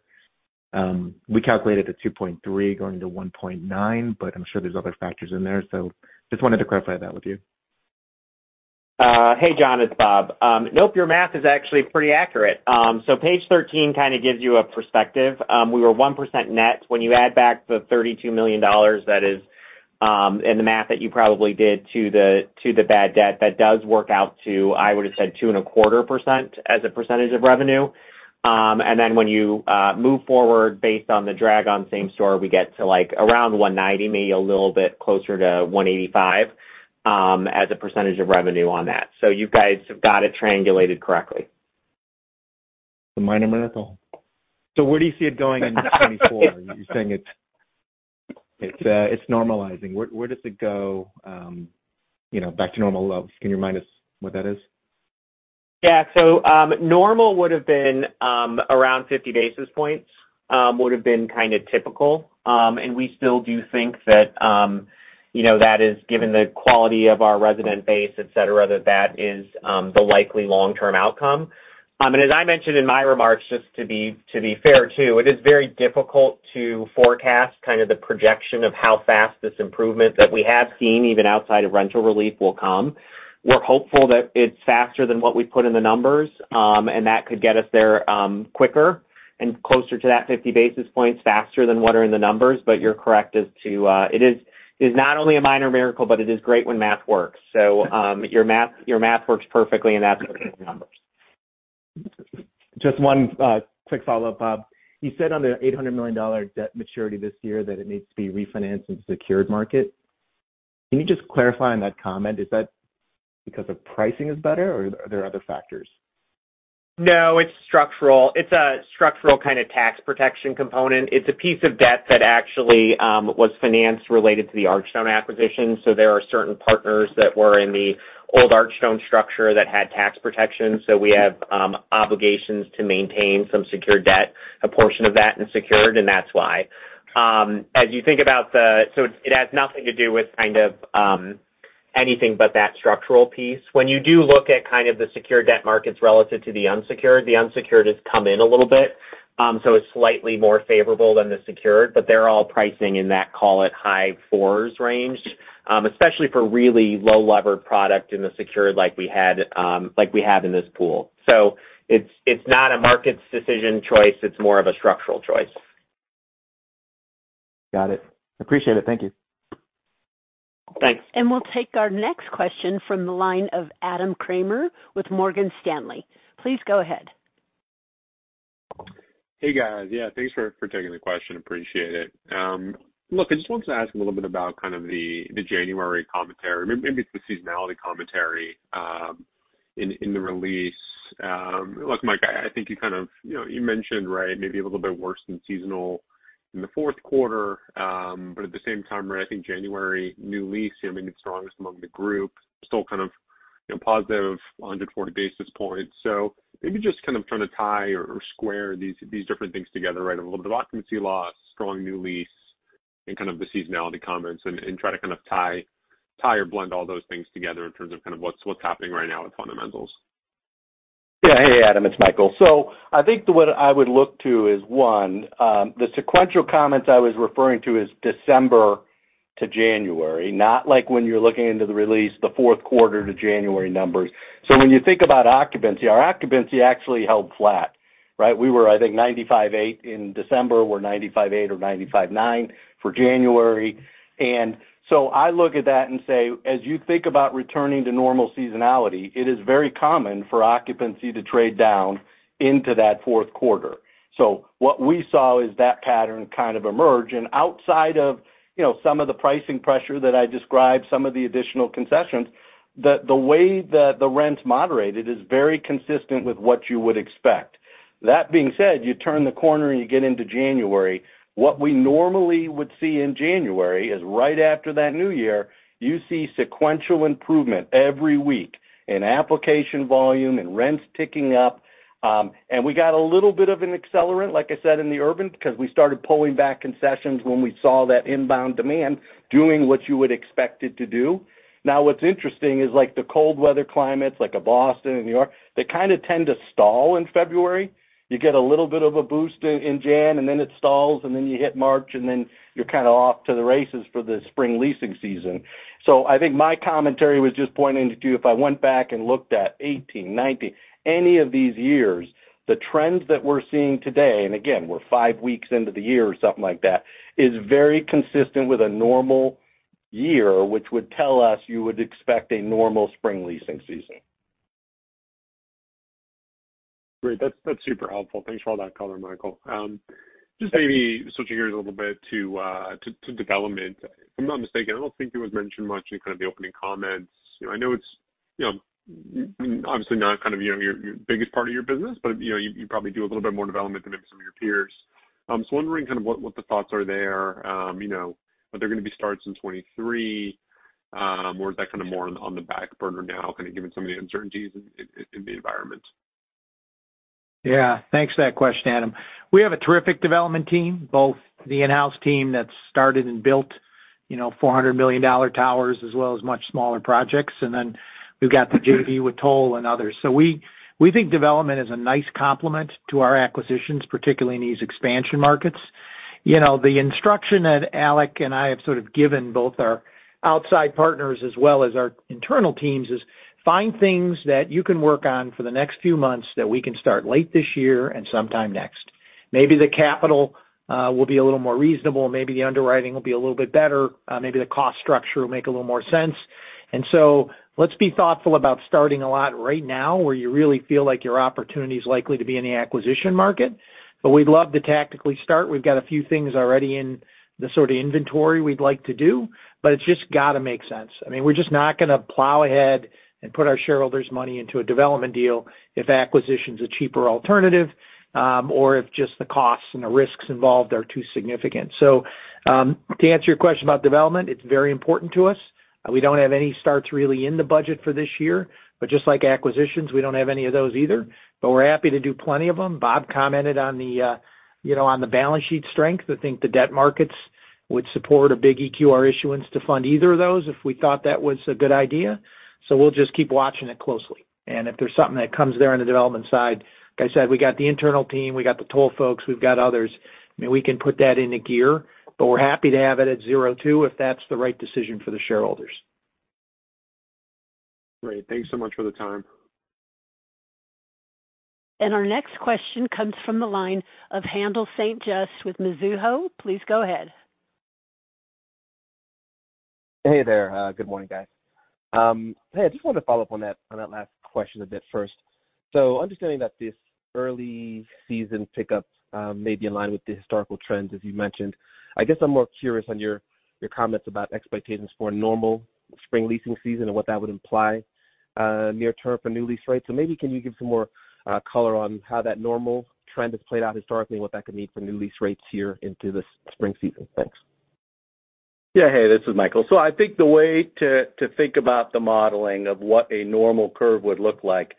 We calculated it at 2.3% going to 1.9%, I'm sure there's other factors in there. Just wanted to clarify that with you. Hey, John, it's Bob. Nope, your math is actually pretty accurate. Page 13 kind of gives you a perspective. We were 1% net. When you add back the $32 million, that is in the math that you probably did to the bad debt, that does work out to, I would have said, 2.25% as a percentage of revenue. When you move forward based on the drag on same store, we get to, like, around 1.90%, maybe a little bit closer to 1.85%, as a percentage of revenue on that. You guys have got it triangulated correctly. It's a minor miracle. Where do you see it going in 2024? You're saying it's normalizing. Where does it go, you know, back to normal lows? Can you remind us what that is? Yeah. Normal would have been around 50 basis points, would have been kind of typical. We still do think that, you know, that is given the quality of our resident base, et cetera, that that is the likely long-term outcome. As I mentioned in my remarks, just to be fair too, it is very difficult to forecast kind of the projection of how fast this improvement that we have seen, even outside of rental relief, will come. We're hopeful that it's faster than what we put in the numbers, and that could get us there quicker and closer to that 50 basis points faster than what are in the numbers. You're correct as to, it is not only a minor miracle, but it is great when math works. Your math works perfectly, and that's the numbers. Just one, quick follow-up, Bob. You said on the $800 million debt maturity this year that it needs to be refinanced in secured market. Can you just clarify on that comment? Is that because the pricing is better, or are there other factors? No, it's structural. It's a structural kind of tax protection component. It's a piece of debt that actually was financed related to the Archstone acquisition. There are certain partners that were in the old Archstone structure that had tax protection. We have obligations to maintain some secured debt, a portion of that in secured, and that's why. As you think about it has nothing to do with kind of anything but that structural piece. When you do look at kind of the secured debt markets relative to the unsecured, the unsecured has come in a little bit, so it's slightly more favorable than the secured. They're all pricing in that, call it, high fours range, especially for really low levered product in the secured like we had, like we have in this pool. It's not a markets decision choice, it's more of a structural choice. Got it. Appreciate it. Thank you. Thanks. We'll take our next question from the line of Adam Kramer with Morgan Stanley. Please go ahead. Hey, guys. Yeah, thanks for taking the question. Appreciate it. Look, I just wanted to ask a little bit about kind of the January commentary. Maybe it's the seasonality commentary in the release. Look, Mike, I think you kind of, you know, you mentioned, right, maybe a little bit worse than seasonal in the fourth quarter. At the same time, right, I think January new lease, I mean, it's strongest among the group, still kind of, you know, positive 140 basis points. Maybe just kind of trying to tie or square these different things together, right? A little bit of occupancy loss, strong new lease, and kind of the seasonality comments, and try to kind of tie or blend all those things together in terms of kind of what's happening right now with fundamentals. Yeah. Hey, Adam, it's Michael. I think the way I would look to is, one, the sequential comments I was referring to is December to January, not like when you're looking into the release, the fourth quarter to January numbers. When you think about occupancy, our occupancy actually held flat, right? We were, I think, 95.8% in December. We're 95.8% or 95.9% for January. I look at that and say, as you think about returning to normal seasonality, it is very common for occupancy to trade down into that fourth quarter. What we saw is that pattern kind of emerge. Outside of, you know, some of the pricing pressure that I described, some of the additional concessions, the way that the rent moderated is very consistent with what you would expect. That being said, you turn the corner and you get into January. What we normally would see in January is right after that new year, you see sequential improvement every week in application volume and rents ticking up. We got a little bit of an accelerant, like I said, in the urban, because we started pulling back concessions when we saw that inbound demand doing what you would expect it to do. What's interesting is like the cold weather climates like a Boston and New York, they kind of tend to stall in February. You get a little bit of a boost in Jan, and then it stalls, and then you hit March, and then you're kind of off to the races for the spring leasing season. I think my commentary was just pointing to if I went back and looked at 18, 19, any of these years, the trends that we're seeing today, and again, we're five weeks into the year or something like that, is very consistent with a normal year, which would tell us you would expect a normal spring leasing season. Great. That's, that's super helpful. Thanks for all that color, Michael. Just maybe switching gears a little bit to development. If I'm not mistaken, I don't think it was mentioned much in kind of the opening comments. You know, I know it's, you know, obviously not kind of, you know, your biggest part of your business, but, you know, you probably do a little bit more development than maybe some of your peers. Wondering kind of what the thoughts are there, you know, are there gonna be starts in 23? Is that kind of more on the back burner now, kind of given some of the uncertainties in, in the environment? Thanks for that question, Adam. We have a terrific development team, both the in-house team that started and built, you know, $400 million towers as well as much smaller projects. We've got the JV with Toll and others. We think development is a nice complement to our acquisitions, particularly in these expansion markets. You know, the instruction that Alec and I have sort of given both our outside partners as well as our internal teams is find things that you can work on for the next few months that we can start late this year and sometime next. Maybe the capital will be a little more reasonable. Maybe the underwriting will be a little bit better. Maybe the cost structure will make a little more sense. Let's be thoughtful about starting a lot right now where you really feel like your opportunity is likely to be in the acquisition market. We'd love to tactically start. We've got a few things already in the sort of inventory we'd like to do, but it's just gotta make sense. I mean, we're just not gonna plow ahead and put our shareholders' money into a development deal if acquisition's a cheaper alternative, or if just the costs and the risks involved are too significant. To answer your question about development, it's very important to us. We don't have any starts really in the budget for this year, but just like acquisitions, we don't have any of those either. We're happy to do plenty of them. Bob commented on the, you know, on the balance sheet strength. I think the debt markets would support a big EQR issuance to fund either of those if we thought that was a good idea. We'll just keep watching it closely. If there's something that comes there on the development side, like I said, we got the internal team, we got the Toll folks, we've got others. I mean, we can put that into gear, but we're happy to have it at zero two if that's the right decision for the shareholders. Great. Thanks so much for the time. Our next question comes from the line of Haendel St. Juste with Mizuho. Please go ahead. Hey there. Good morning, guys. Hey, I just wanted to follow up on that, on that last question a bit first. Understanding that this early season pickup may be in line with the historical trends as you mentioned, I guess I'm more curious on your comments about expectations for a normal spring leasing season and what that would imply near term for new lease rates. Maybe can you give some more color on how that normal trend has played out historically and what that could mean for new lease rates here into the spring season? Thanks. Yeah. Hey, this is Michael. I think the way to think about the modeling of what a normal curve would look like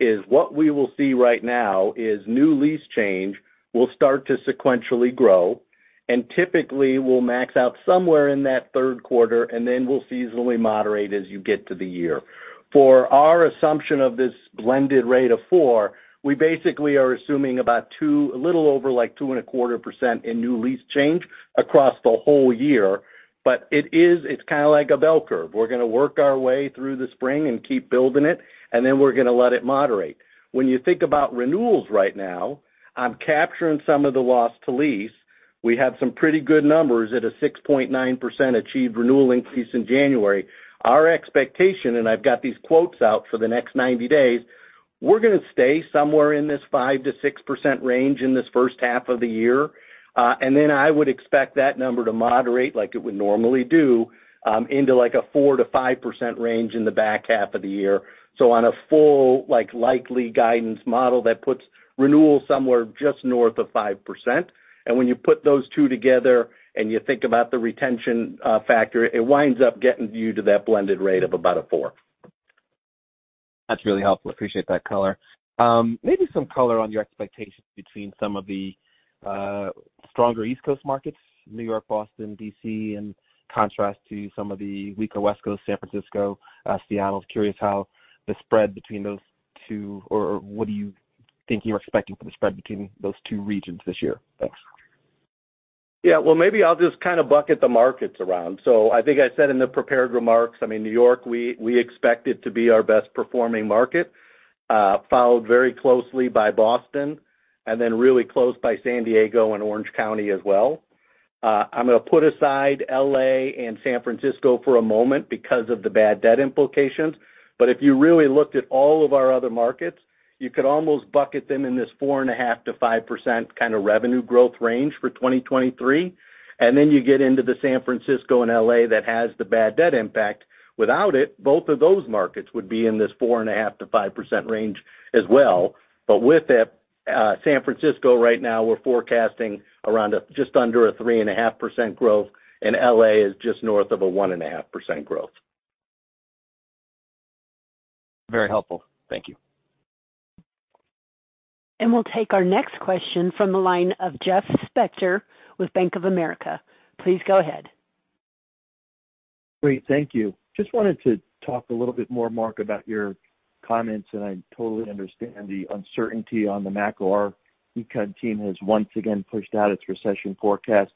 is what we will see right now is new lease change will start to sequentially grow, and typically will max out somewhere in that third quarter, and then we'll seasonally moderate as you get to the year. For our assumption of this blended rate of four, we basically are assuming about a little over like 2.25% in new lease change across the whole year. It is, it's kind of like a bell curve. We're gonna work our way through the spring and keep building it, and then we're gonna let it moderate. When you think about renewals right now, I'm capturing some of the loss to lease. We have some pretty good numbers at a 6.9% achieved renewal increase in January. Our expectation, and I've got these quotes out for the next 90 days, we're gonna stay somewhere in this 5%-6% range in this first half of the year. Then I would expect that number to moderate like it would normally do, into a 4%-5% range in the back half of the year. So on a full, likely guidance model, that puts renewal somewhere just north of 5%. When you put those two together and you think about the retention factor, it winds up getting you to that blended rate of about a 4%. That's really helpful. Appreciate that color. Maybe some color on your expectations between some of the stronger East Coast markets, New York, Boston, D.C., in contrast to some of the weaker West Coast, San Francisco, Seattle. Curious how the spread between those two, or what do you think you're expecting for the spread between those two regions this year? Thanks. Yeah. Well, maybe I'll just kind of bucket the markets around. I think I said in the prepared remarks, I mean, New York, we expect it to be our best performing market, followed very closely by Boston, really close by San Diego and Orange County as well. I'm gonna put aside LA and San Francisco for a moment because of the bad debt implications. If you really looked at all of our other markets, you could almost bucket them in this 4.5%-5% kind of revenue growth range for 2023. You get into the San Francisco and LA that has the bad debt impact. Without it, both of those markets would be in this 4.5%-5% range as well. With it, San Francisco right now we're forecasting around a just under a 3.5% growth, and LA is just north of a 1.5% growth. Very helpful. Thank you. We'll take our next question from the line of Jeff Spector with Bank of America. Please go ahead. Great. Thank you. Just wanted to talk a little bit more, Mark, about your comments. I totally understand the uncertainty on the macro. Our econ team has once again pushed out its recession forecast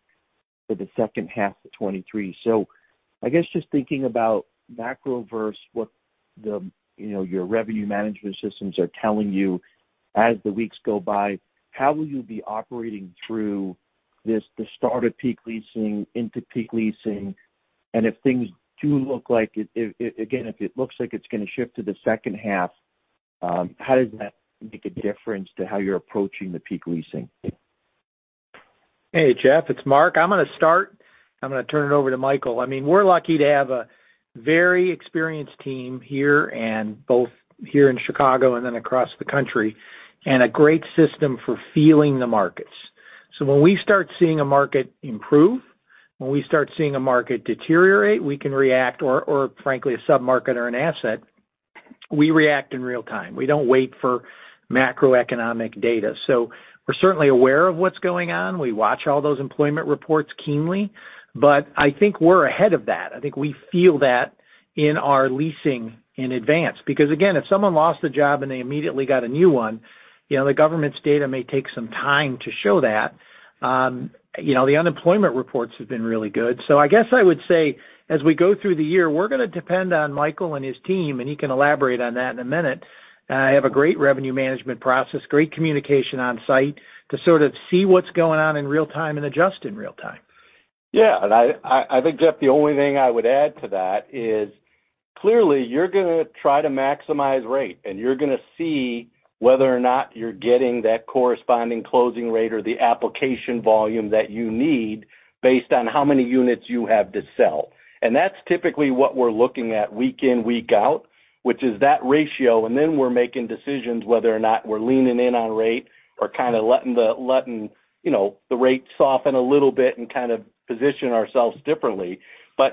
for the second half of 23. I guess just thinking about macro versus what the, you know, your revenue management systems are telling you as the weeks go by, how will you be operating through this, the start of peak leasing into peak leasing? If things do look like it, again, if it looks like it's gonna shift to the second half, how does that make a difference to how you're approaching the peak leasing? Hey, Jeff, it's Mark. I'm gonna start. I'm gonna turn it over to Michael. I mean, we're lucky to have a very experienced team here and both here in Chicago and then across the country, and a great system for feeling the markets. When we start seeing a market improve, when we start seeing a market deteriorate, we can react or frankly a sub-market or an asset, we react in real time. We don't wait for macroeconomic data. We're certainly aware of what's going on. We watch all those employment reports keenly. I think we're ahead of that. I think we feel that in our leasing in advance. Again, if someone lost their job and they immediately got a new one, you know, the government's data may take some time to show that. You know, the unemployment reports have been really good. I guess I would say, as we go through the year, we're gonna depend on Michael and his team, and he can elaborate on that in a minute, have a great revenue management process, great communication on site to sort of see what's going on in real time and adjust in real time. Yeah. I think, Jeff, the only thing I would add to that is clearly you're gonna try to maximize rate, and you're gonna see whether or not you're getting that corresponding closing rate or the application volume that you need based on how many units you have to sell. That's typically what we're looking at week in, week out, which is that ratio, and then we're making decisions whether or not we're leaning in on rate or kind of letting, you know, the rate soften a little bit and kind of position ourselves differently.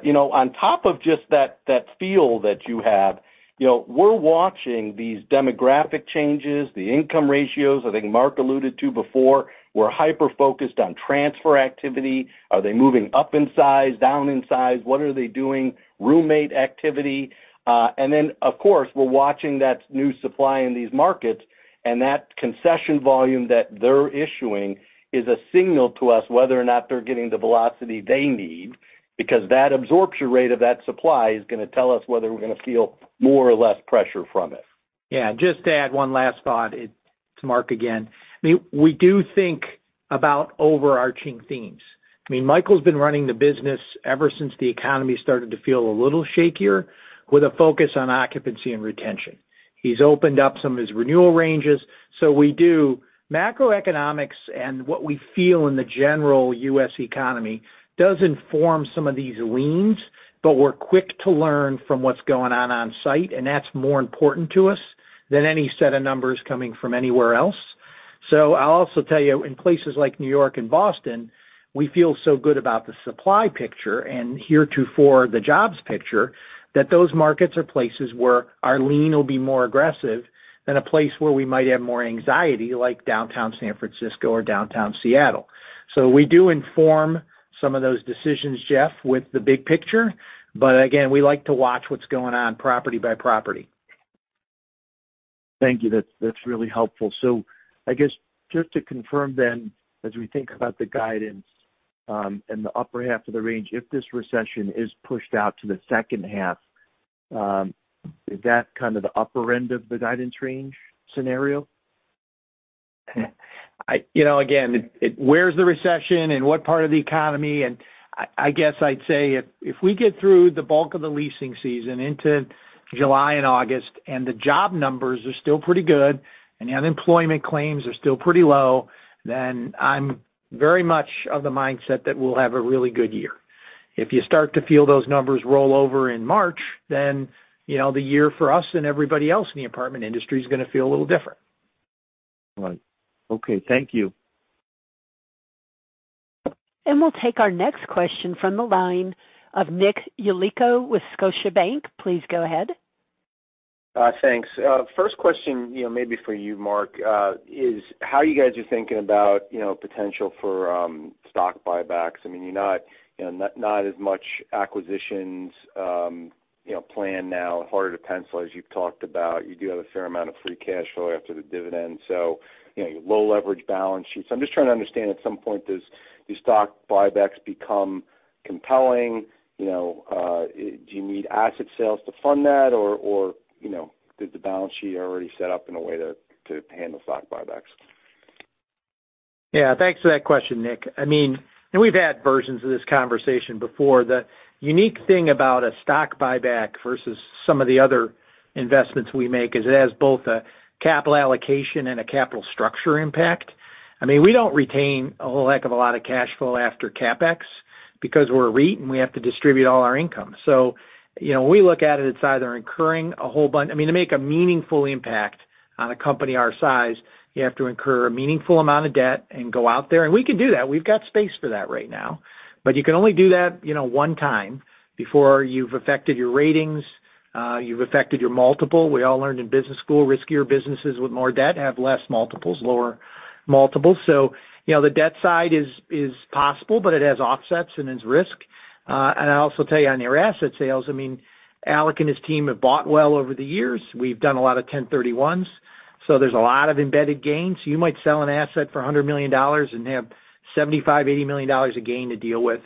You know, on top of just that feel that you have, you know, we're watching these demographic changes, the income ratios I think Mark alluded to before. We're hyper-focused on transfer activity. Are they moving up in size, down in size? What are they doing? Roommate activity. Of course, we're watching that new supply in these markets, and that concession volume that they're issuing is a signal to us whether or not they're getting the velocity they need, because that absorption rate of that supply is going to tell us whether we're going to feel more or less pressure from it. Yeah. Just to add one last thought. It's Mark again. I mean, we do think about overarching themes. I mean, Michael's been running the business ever since the economy started to feel a little shakier with a focus on occupancy and retention. He's opened up some of his renewal ranges. We do macroeconomics, and what we feel in the general U.S. economy does inform some of these leans, but we're quick to learn from what's going on on site, and that's more important to us than any set of numbers coming from anywhere else. I'll also tell you, in places like New York and Boston, we feel so good about the supply picture and heretofore the jobs picture, that those markets are places where our lean will be more aggressive than a place where we might have more anxiety, like downtown San Francisco or downtown Seattle. We do inform some of those decisions, Jeff, with the big picture. Again, we like to watch what's going on property by property. Thank you. That's really helpful. I guess just to confirm, as we think about the guidance, in the upper half of the range, if this recession is pushed out to the second half, is that kind of the upper end of the guidance range scenario? You know, again, where's the recession and what part of the economy? I guess I'd say if we get through the bulk of the leasing season into July and August, the job numbers are still pretty good and the unemployment claims are still pretty low, I'm very much of the mindset that we'll have a really good year. If you start to feel those numbers roll over in March, you know, the year for us and everybody else in the apartment industry is gonna feel a little different. Right. Okay. Thank you. We'll take our next question from the line of Nick Yulico with Scotiabank. Please go ahead. Thanks. First question, you know, maybe for you, Mark, is how you guys are thinking about, you know, potential for stock buybacks. I mean, you're not, you know, as much acquisitions, you know, planned now, harder to pencil as you've talked about. You do have a fair amount of free cash flow after the dividend. Your low leverage balance sheet. I'm just trying to understand at some point, does your stock buybacks become compelling? You know, do you need asset sales to fund that? Or, you know, did the balance sheet already set up in a way to handle stock buybacks? Thanks for that question, Nick. I mean, we've had versions of this conversation before. The unique thing about a stock buyback versus some of the other investments we make is it has both a capital allocation and a capital structure impact. I mean, we don't retain a whole heck of a lot of cash flow after CapEx because we're a REIT, and we have to distribute all our income. You know, when we look at it's either incurring a whole bunch... I mean, to make a meaningful impact on a company our size, you have to incur a meaningful amount of debt and go out there. We can do that. We've got space for that right now. You can only do that, you know, one time before you've affected your ratings, you've affected your multiple. We all learned in business school, riskier businesses with more debt have less multiples, lower multiples. you know, the debt side is possible, but it has offsets and it's risk. I also tell you on your asset sales, I mean, Alec and his team have bought well over the years. We've done a lot of 1031s, so there's a lot of embedded gains. You might sell an asset for $100 million and have $75 million-$80 million of gain to deal with.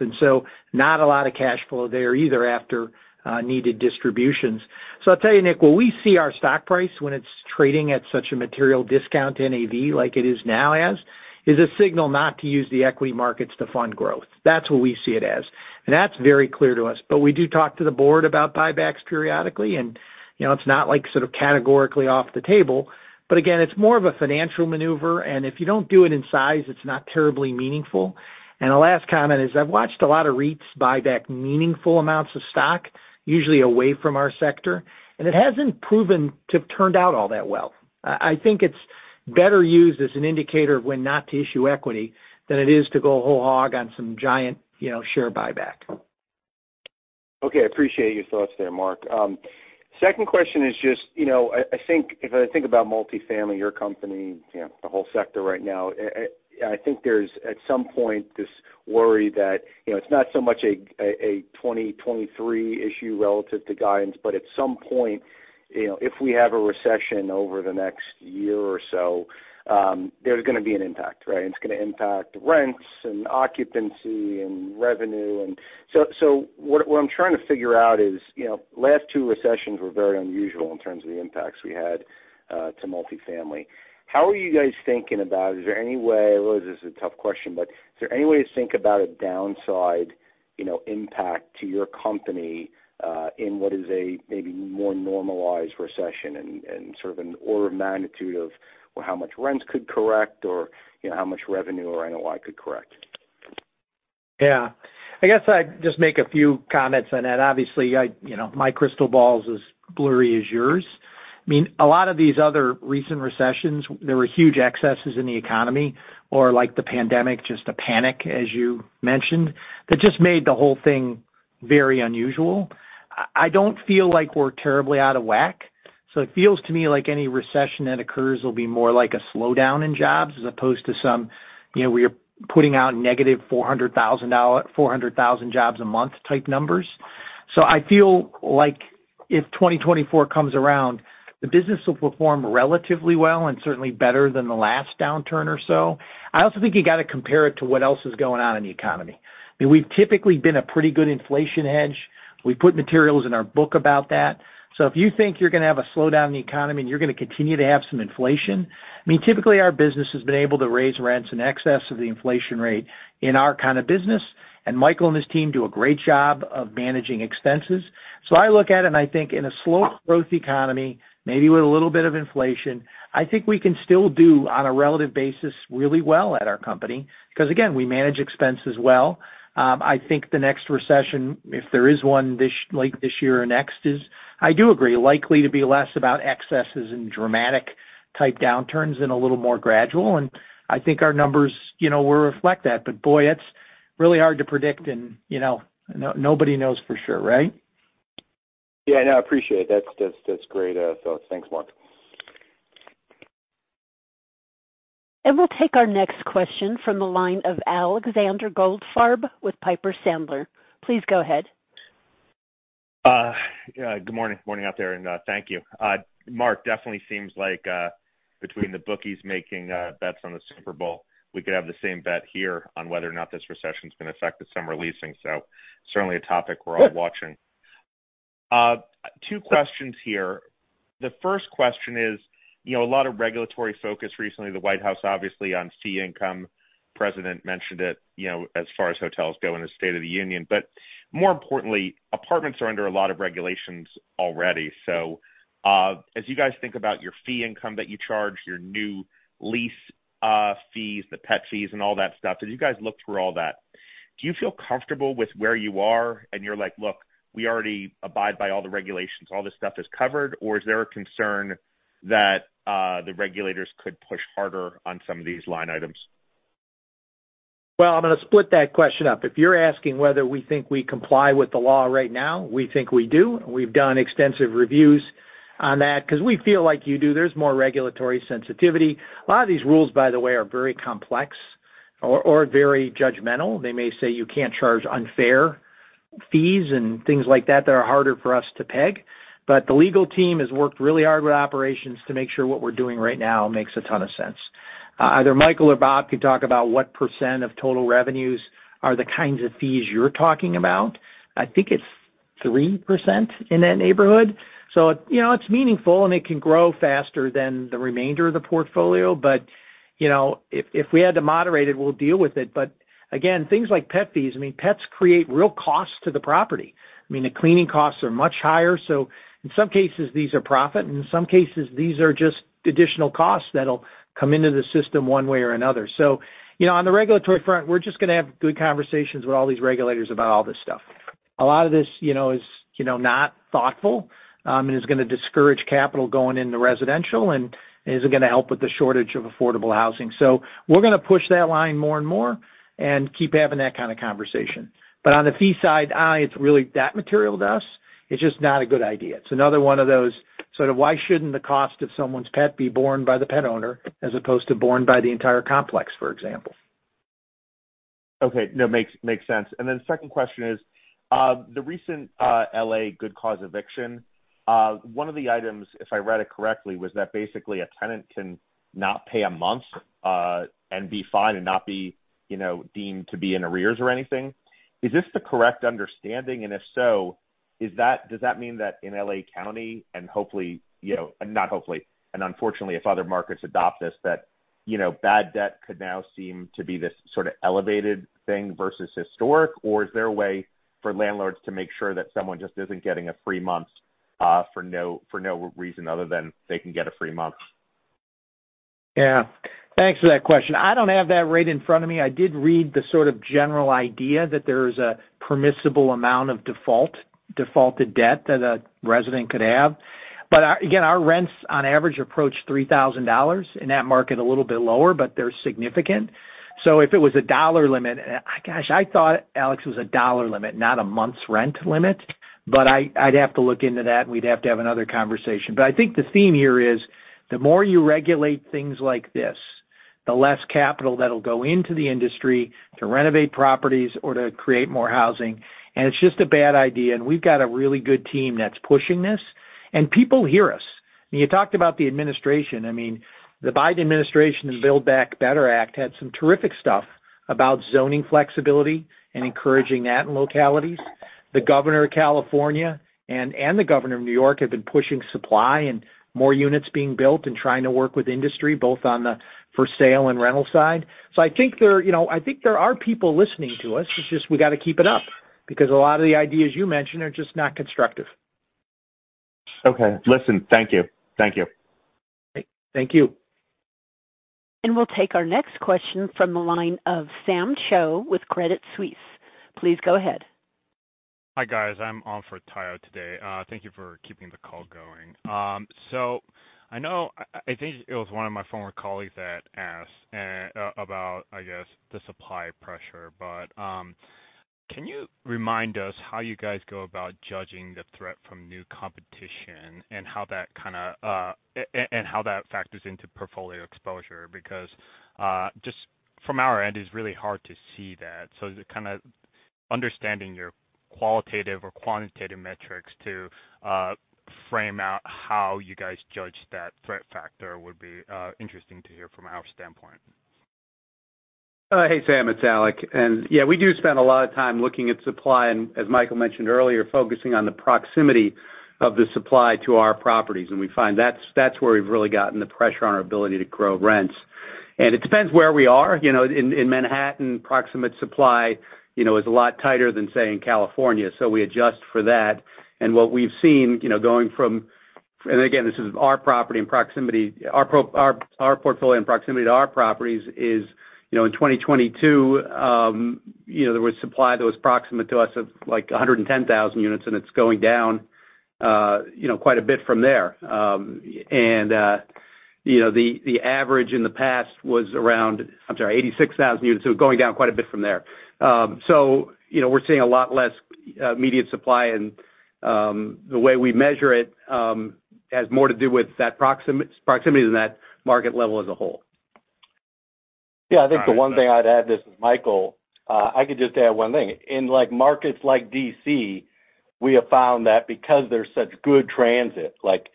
Not a lot of cash flow there either after needed distributions. I'll tell you, Nick, when we see our stock price when it's trading at such a material discount NAV like it is now as, is a signal not to use the equity markets to fund growth. That's what we see it as, and that's very clear to us. We do talk to the board about buybacks periodically. You know, it's not like sort of categorically off the table, but again, it's more of a financial maneuver, and if you don't do it in size, it's not terribly meaningful. The last comment is I've watched a lot of REITs buy back meaningful amounts of stock, usually away from our sector, and it hasn't proven to have turned out all that well. I think it's better used as an indicator of when not to issue equity than it is to go whole hog on some giant, you know, share buyback. Okay. I appreciate your thoughts there, Mark. Second question is just, you know, I think, if I think about multifamily, your company, you know, the whole sector right now, I think there's at some point this worry that, you know, it's not so much a 2023 issue relative to guidance, but at some point, you know, if we have a recession over the next year or so, there's gonna be an impact, right? It's gonna impact rents and occupancy and revenue. What I'm trying to figure out is, you know, last two recessions were very unusual in terms of the impacts we had to multifamily. How are you guys thinking about it? Is there any way. Well, this is a tough question, but is there any way to think about a downside, you know, impact to your company in what is a maybe more normalized recession and sort of an order of magnitude of well, how much rents could correct or, you know, how much revenue or NOI could correct? I guess I'd just make a few comments on that. Obviously, I, you know, my crystal ball is as blurry as yours. I mean, a lot of these other recent recessions, there were huge excesses in the economy or like the pandemic, just a panic, as you mentioned, that just made the whole thing very unusual. I don't feel like we're terribly out of whack, so it feels to me like any recession that occurs will be more like a slowdown in jobs as opposed to some, you know, we are putting out negative 400,000 jobs a month type numbers. I feel like if 2024 comes around, the business will perform relatively well and certainly better than the last downturn or so. I also think you gotta compare it to what else is going on in the economy. I mean, we've typically been a pretty good inflation hedge. We put materials in our book about that. If you think you're gonna have a slowdown in the economy and you're gonna continue to have some inflation, I mean, typically our business has been able to raise rents in excess of the inflation rate in our kind of business, and Michael and his team do a great job of managing expenses. I look at it and I think in a slow growth economy, maybe with a little bit of inflation, I think we can still do on a relative basis really well at our company, 'cause, again, we manage expenses well. I think the next recession, if there is one late this year or next, is, I do agree, likely to be less about excesses and dramatic type downturns and a little more gradual. I think our numbers, you know, will reflect that. Boy, it's really hard to predict. You know, nobody knows for sure, right? Yeah, no, I appreciate it. That's great thoughts. Thanks, Mark. We'll take our next question from the line of Alexander Goldfarb with Piper Sandler. Please go ahead. Yeah, good morning. Morning out there, and thank you. Mark, definitely seems like between the bookies making bets on the Super Bowl, we could have the same bet here on whether or not this recession's gonna affect the summer leasing. Certainly a topic we're all watching. Good. Two questions here. The first question is, you know, a lot of regulatory focus recently, the White House, obviously on fee income. President mentioned it, you know, as far as hotels go in his State of the Union. More importantly, apartments are under a lot of regulations already. As you guys think about your fee income that you charge, your new lease fees, the pet fees and all that stuff, as you guys look through all that, do you feel comfortable with where you are and you're like, "Look, we already abide by all the regulations, all this stuff is covered." Or is there a concern that the regulators could push harder on some of these line items? I'm gonna split that question up. If you're asking whether we think we comply with the law right now, we think we do. We've done extensive reviews on that 'cause we feel like you do. There's more regulatory sensitivity. A lot of these rules, by the way, are very complex or very judgmental. They may say you can't charge unfair fees and things like that are harder for us to peg. The legal team has worked really hard with operations to make sure what we're doing right now makes a ton of sense. Either Michael or Bob could talk about what % of total revenues are the kinds of fees you're talking about. I think it's 3% in that neighborhood. You know, it's meaningful, and it can grow faster than the remainder of the portfolio, but, you know, if we had to moderate it, we'll deal with it. Again, things like pet fees, I mean, pets create real costs to the property. I mean, the cleaning costs are much higher. In some cases, these are profit, and in some cases, these are just additional costs that'll come into the system one way or another. You know, on the regulatory front, we're just gonna have good conversations with all these regulators about all this stuff. A lot of this, you know, is, you know, not thoughtful, and is gonna discourage capital going into residential and isn't gonna help with the shortage of affordable housing. We're gonna push that line more and more and keep having that kind of conversation. On the fee side, It's really that material to us. It's just not a good idea. It's another one of those sort of, why shouldn't the cost of someone's pet be borne by the pet owner as opposed to borne by the entire complex, for example. Okay. No, makes sense. The second question is, the recent L.A. good cause eviction, one of the items, if I read it correctly, was that basically a tenant can not pay a month and be fine and not be, you know, deemed to be in arrears or anything. Is this the correct understanding? If so, does that mean that in L.A. County and hopefully, you know, not hopefully, and unfortunately, if other markets adopt this, that, you know, bad debt net could now seem to be this sort of elevated thing versus historic? Is there a way for landlords to make sure that someone just isn't getting a free month for no reason other than they can get a free month? Thanks for that question. I don't have that right in front of me. I did read the sort of general idea that there's a permissible amount of default, defaulted debt that a resident could have. Again, our rents on average approach $3,000 in that market, a little bit lower, but they're significant. If it was a dollar limit, gosh, I thought, Alex, it was a dollar limit, not a month's rent limit. I'd have to look into that, and we'd have to have another conversation. I think the theme here is, the more you regulate things like this, the less capital that'll go into the industry to renovate properties or to create more housing. It's just a bad idea. We've got a really good team that's pushing this, and people hear us. You talked about the administration. I mean, the Biden administration and Build Back Better Act had some terrific stuff about zoning flexibility and encouraging that in localities. The governor of California and the governor of New York have been pushing supply and more units being built and trying to work with industry, both on the for sale and rental side. I think there, you know, I think there are people listening to us. It's just, we gotta keep it up because a lot of the ideas you mentioned are just not constructive. Okay. Listen, thank you. Thank you. Great. Thank you. We'll take our next question from the line of Sam Choe with Credit Suisse. Please go ahead. Hi, guys. I'm on for Tayo today. Thank you for keeping the call going. I know, I think it was one of my former colleagues that asked about, I guess, the supply pressure. Can you remind us how you guys go about judging the threat from new competition and how that kinda and how that factors into portfolio exposure? Just from our end, it's really hard to see that. Just kinda understanding your qualitative or quantitative metrics to frame out how you guys judge that threat factor would be interesting to hear from our standpoint. Hey, Sam, it's Alec. Yeah, we do spend a lot of time looking at supply, and as Michael mentioned earlier, focusing on the proximity of the supply to our properties. We find that's where we've really gotten the pressure on our ability to grow rents. It depends where we are. You know, in Manhattan, proximate supply, you know, is a lot tighter than, say, in California, so we adjust for that. What we've seen, you know, going from. Again, this is our property and proximity. Our portfolio and proximity to our properties is, you know, in 2022, you know, there was supply that was proximate to us of like 110,000 units, and it's going down, you know, quite a bit from there. You know, the average in the past was around, I'm sorry, 86,000 units, so going down quite a bit from there. You know, we're seeing a lot less immediate supply and The way we measure it, has more to do with that proximity than that market level as a whole. I think the one thing I'd add, this is Michael. I could just add one thing. In like markets like D.C., we have found that because they're such good transit, like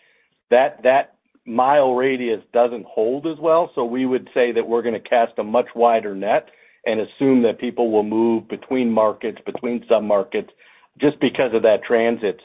that one mile radius doesn't hold as well, so we would say that we're gonna cast a much wider net and assume that people will move between markets, between sub-markets just because of that transit.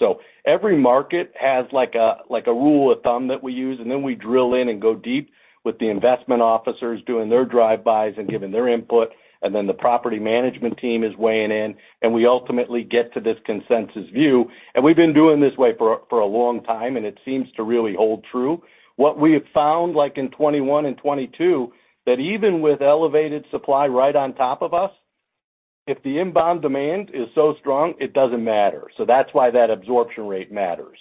Every market has like a rule of thumb that we use, and then we drill in and go deep with the investment officers doing their drive-bys and giving their input, and then the property management team is weighing in, and we ultimately get to this consensus view. We've been doing this way for a long time, and it seems to really hold true. What we have found, like in 2021 and 2022, that even with elevated supply right on top of us, if the inbound demand is so strong, it doesn't matter. That's why that absorption rate matters.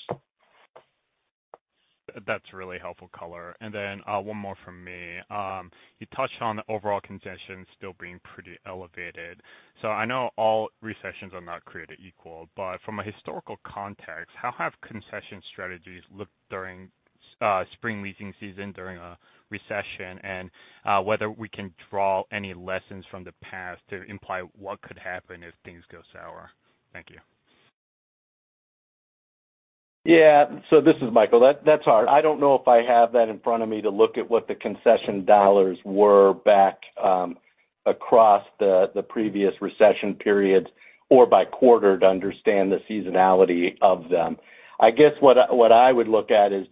That's really helpful color. One more from me. You touched on overall concessions still being pretty elevated. I know all recessions are not created equal, but from a historical context, how have concession strategies looked during spring leasing season during a recession, and whether we can draw any lessons from the past to imply what could happen if things go sour? Thank you. This is Michael. That's hard. I don't know if I have that in front of me to look at what the concession dollars were back across the previous recession periods or by quarter to understand the seasonality of them. I guess what I would look at is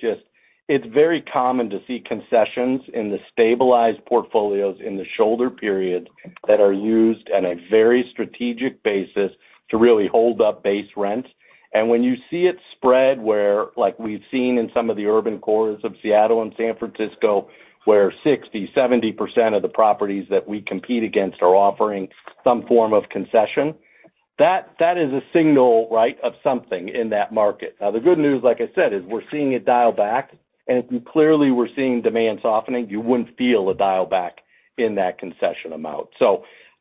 just it's very common to see concessions in the stabilized portfolios in the shoulder periods that are used on a very strategic basis to really hold up base rent. When you see it spread where, like we've seen in some of the urban cores of Seattle and San Francisco, where 60%, 70% of the properties that we compete against are offering some form of concession, that is a signal, right, of something in that market. The good news, like I said, is we're seeing it dial back, and clearly we're seeing demand softening. You wouldn't feel a dial back in that concession amount.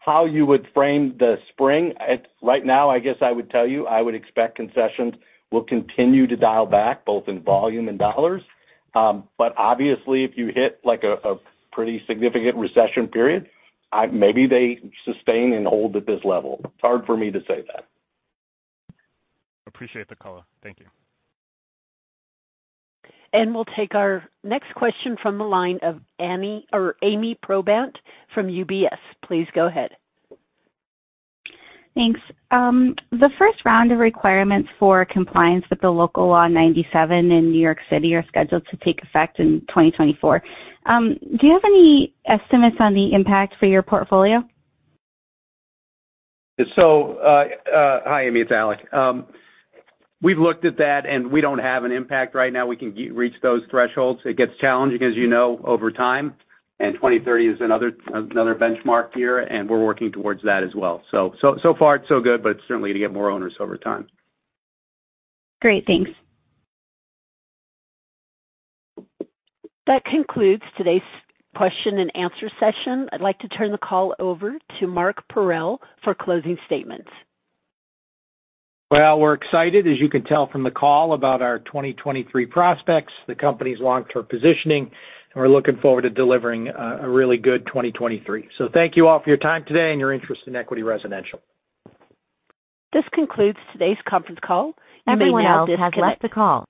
How you would frame the spring, right now, I guess I would tell you, I would expect concessions will continue to dial back, both in volume and dollars. Obviously, if you hit like a pretty significant recession period, maybe they sustain and hold at this level. It's hard for me to say that. Appreciate the color. Thank you. We'll take our next question from the line of Ami Probandt from UBS. Please go ahead. Thanks. The first round of requirements for compliance with the Local Law 97 in New York City are scheduled to take effect in 2024. Do you have any estimates on the impact for your portfolio? Hi, Ami. It's Alec. We've looked at that. We don't have an impact right now. We can reach those thresholds. It gets challenging, as you know, over time. 2030 is another benchmark year. We're working towards that as well. So far it's so good, but it's certainly to get more owners over time. Great. Thanks. That concludes today's question-and-answer session. I'd like to turn the call over to Mark Parrell for closing statements. Well, we're excited, as you can tell from the call, about our 2023 prospects, the company's long-term positioning, and we're looking forward to delivering a really good 2023. Thank you all for your time today and your interest in Equity Residential. This concludes today's conference call. You may now disconnect. Everyone else has left the call.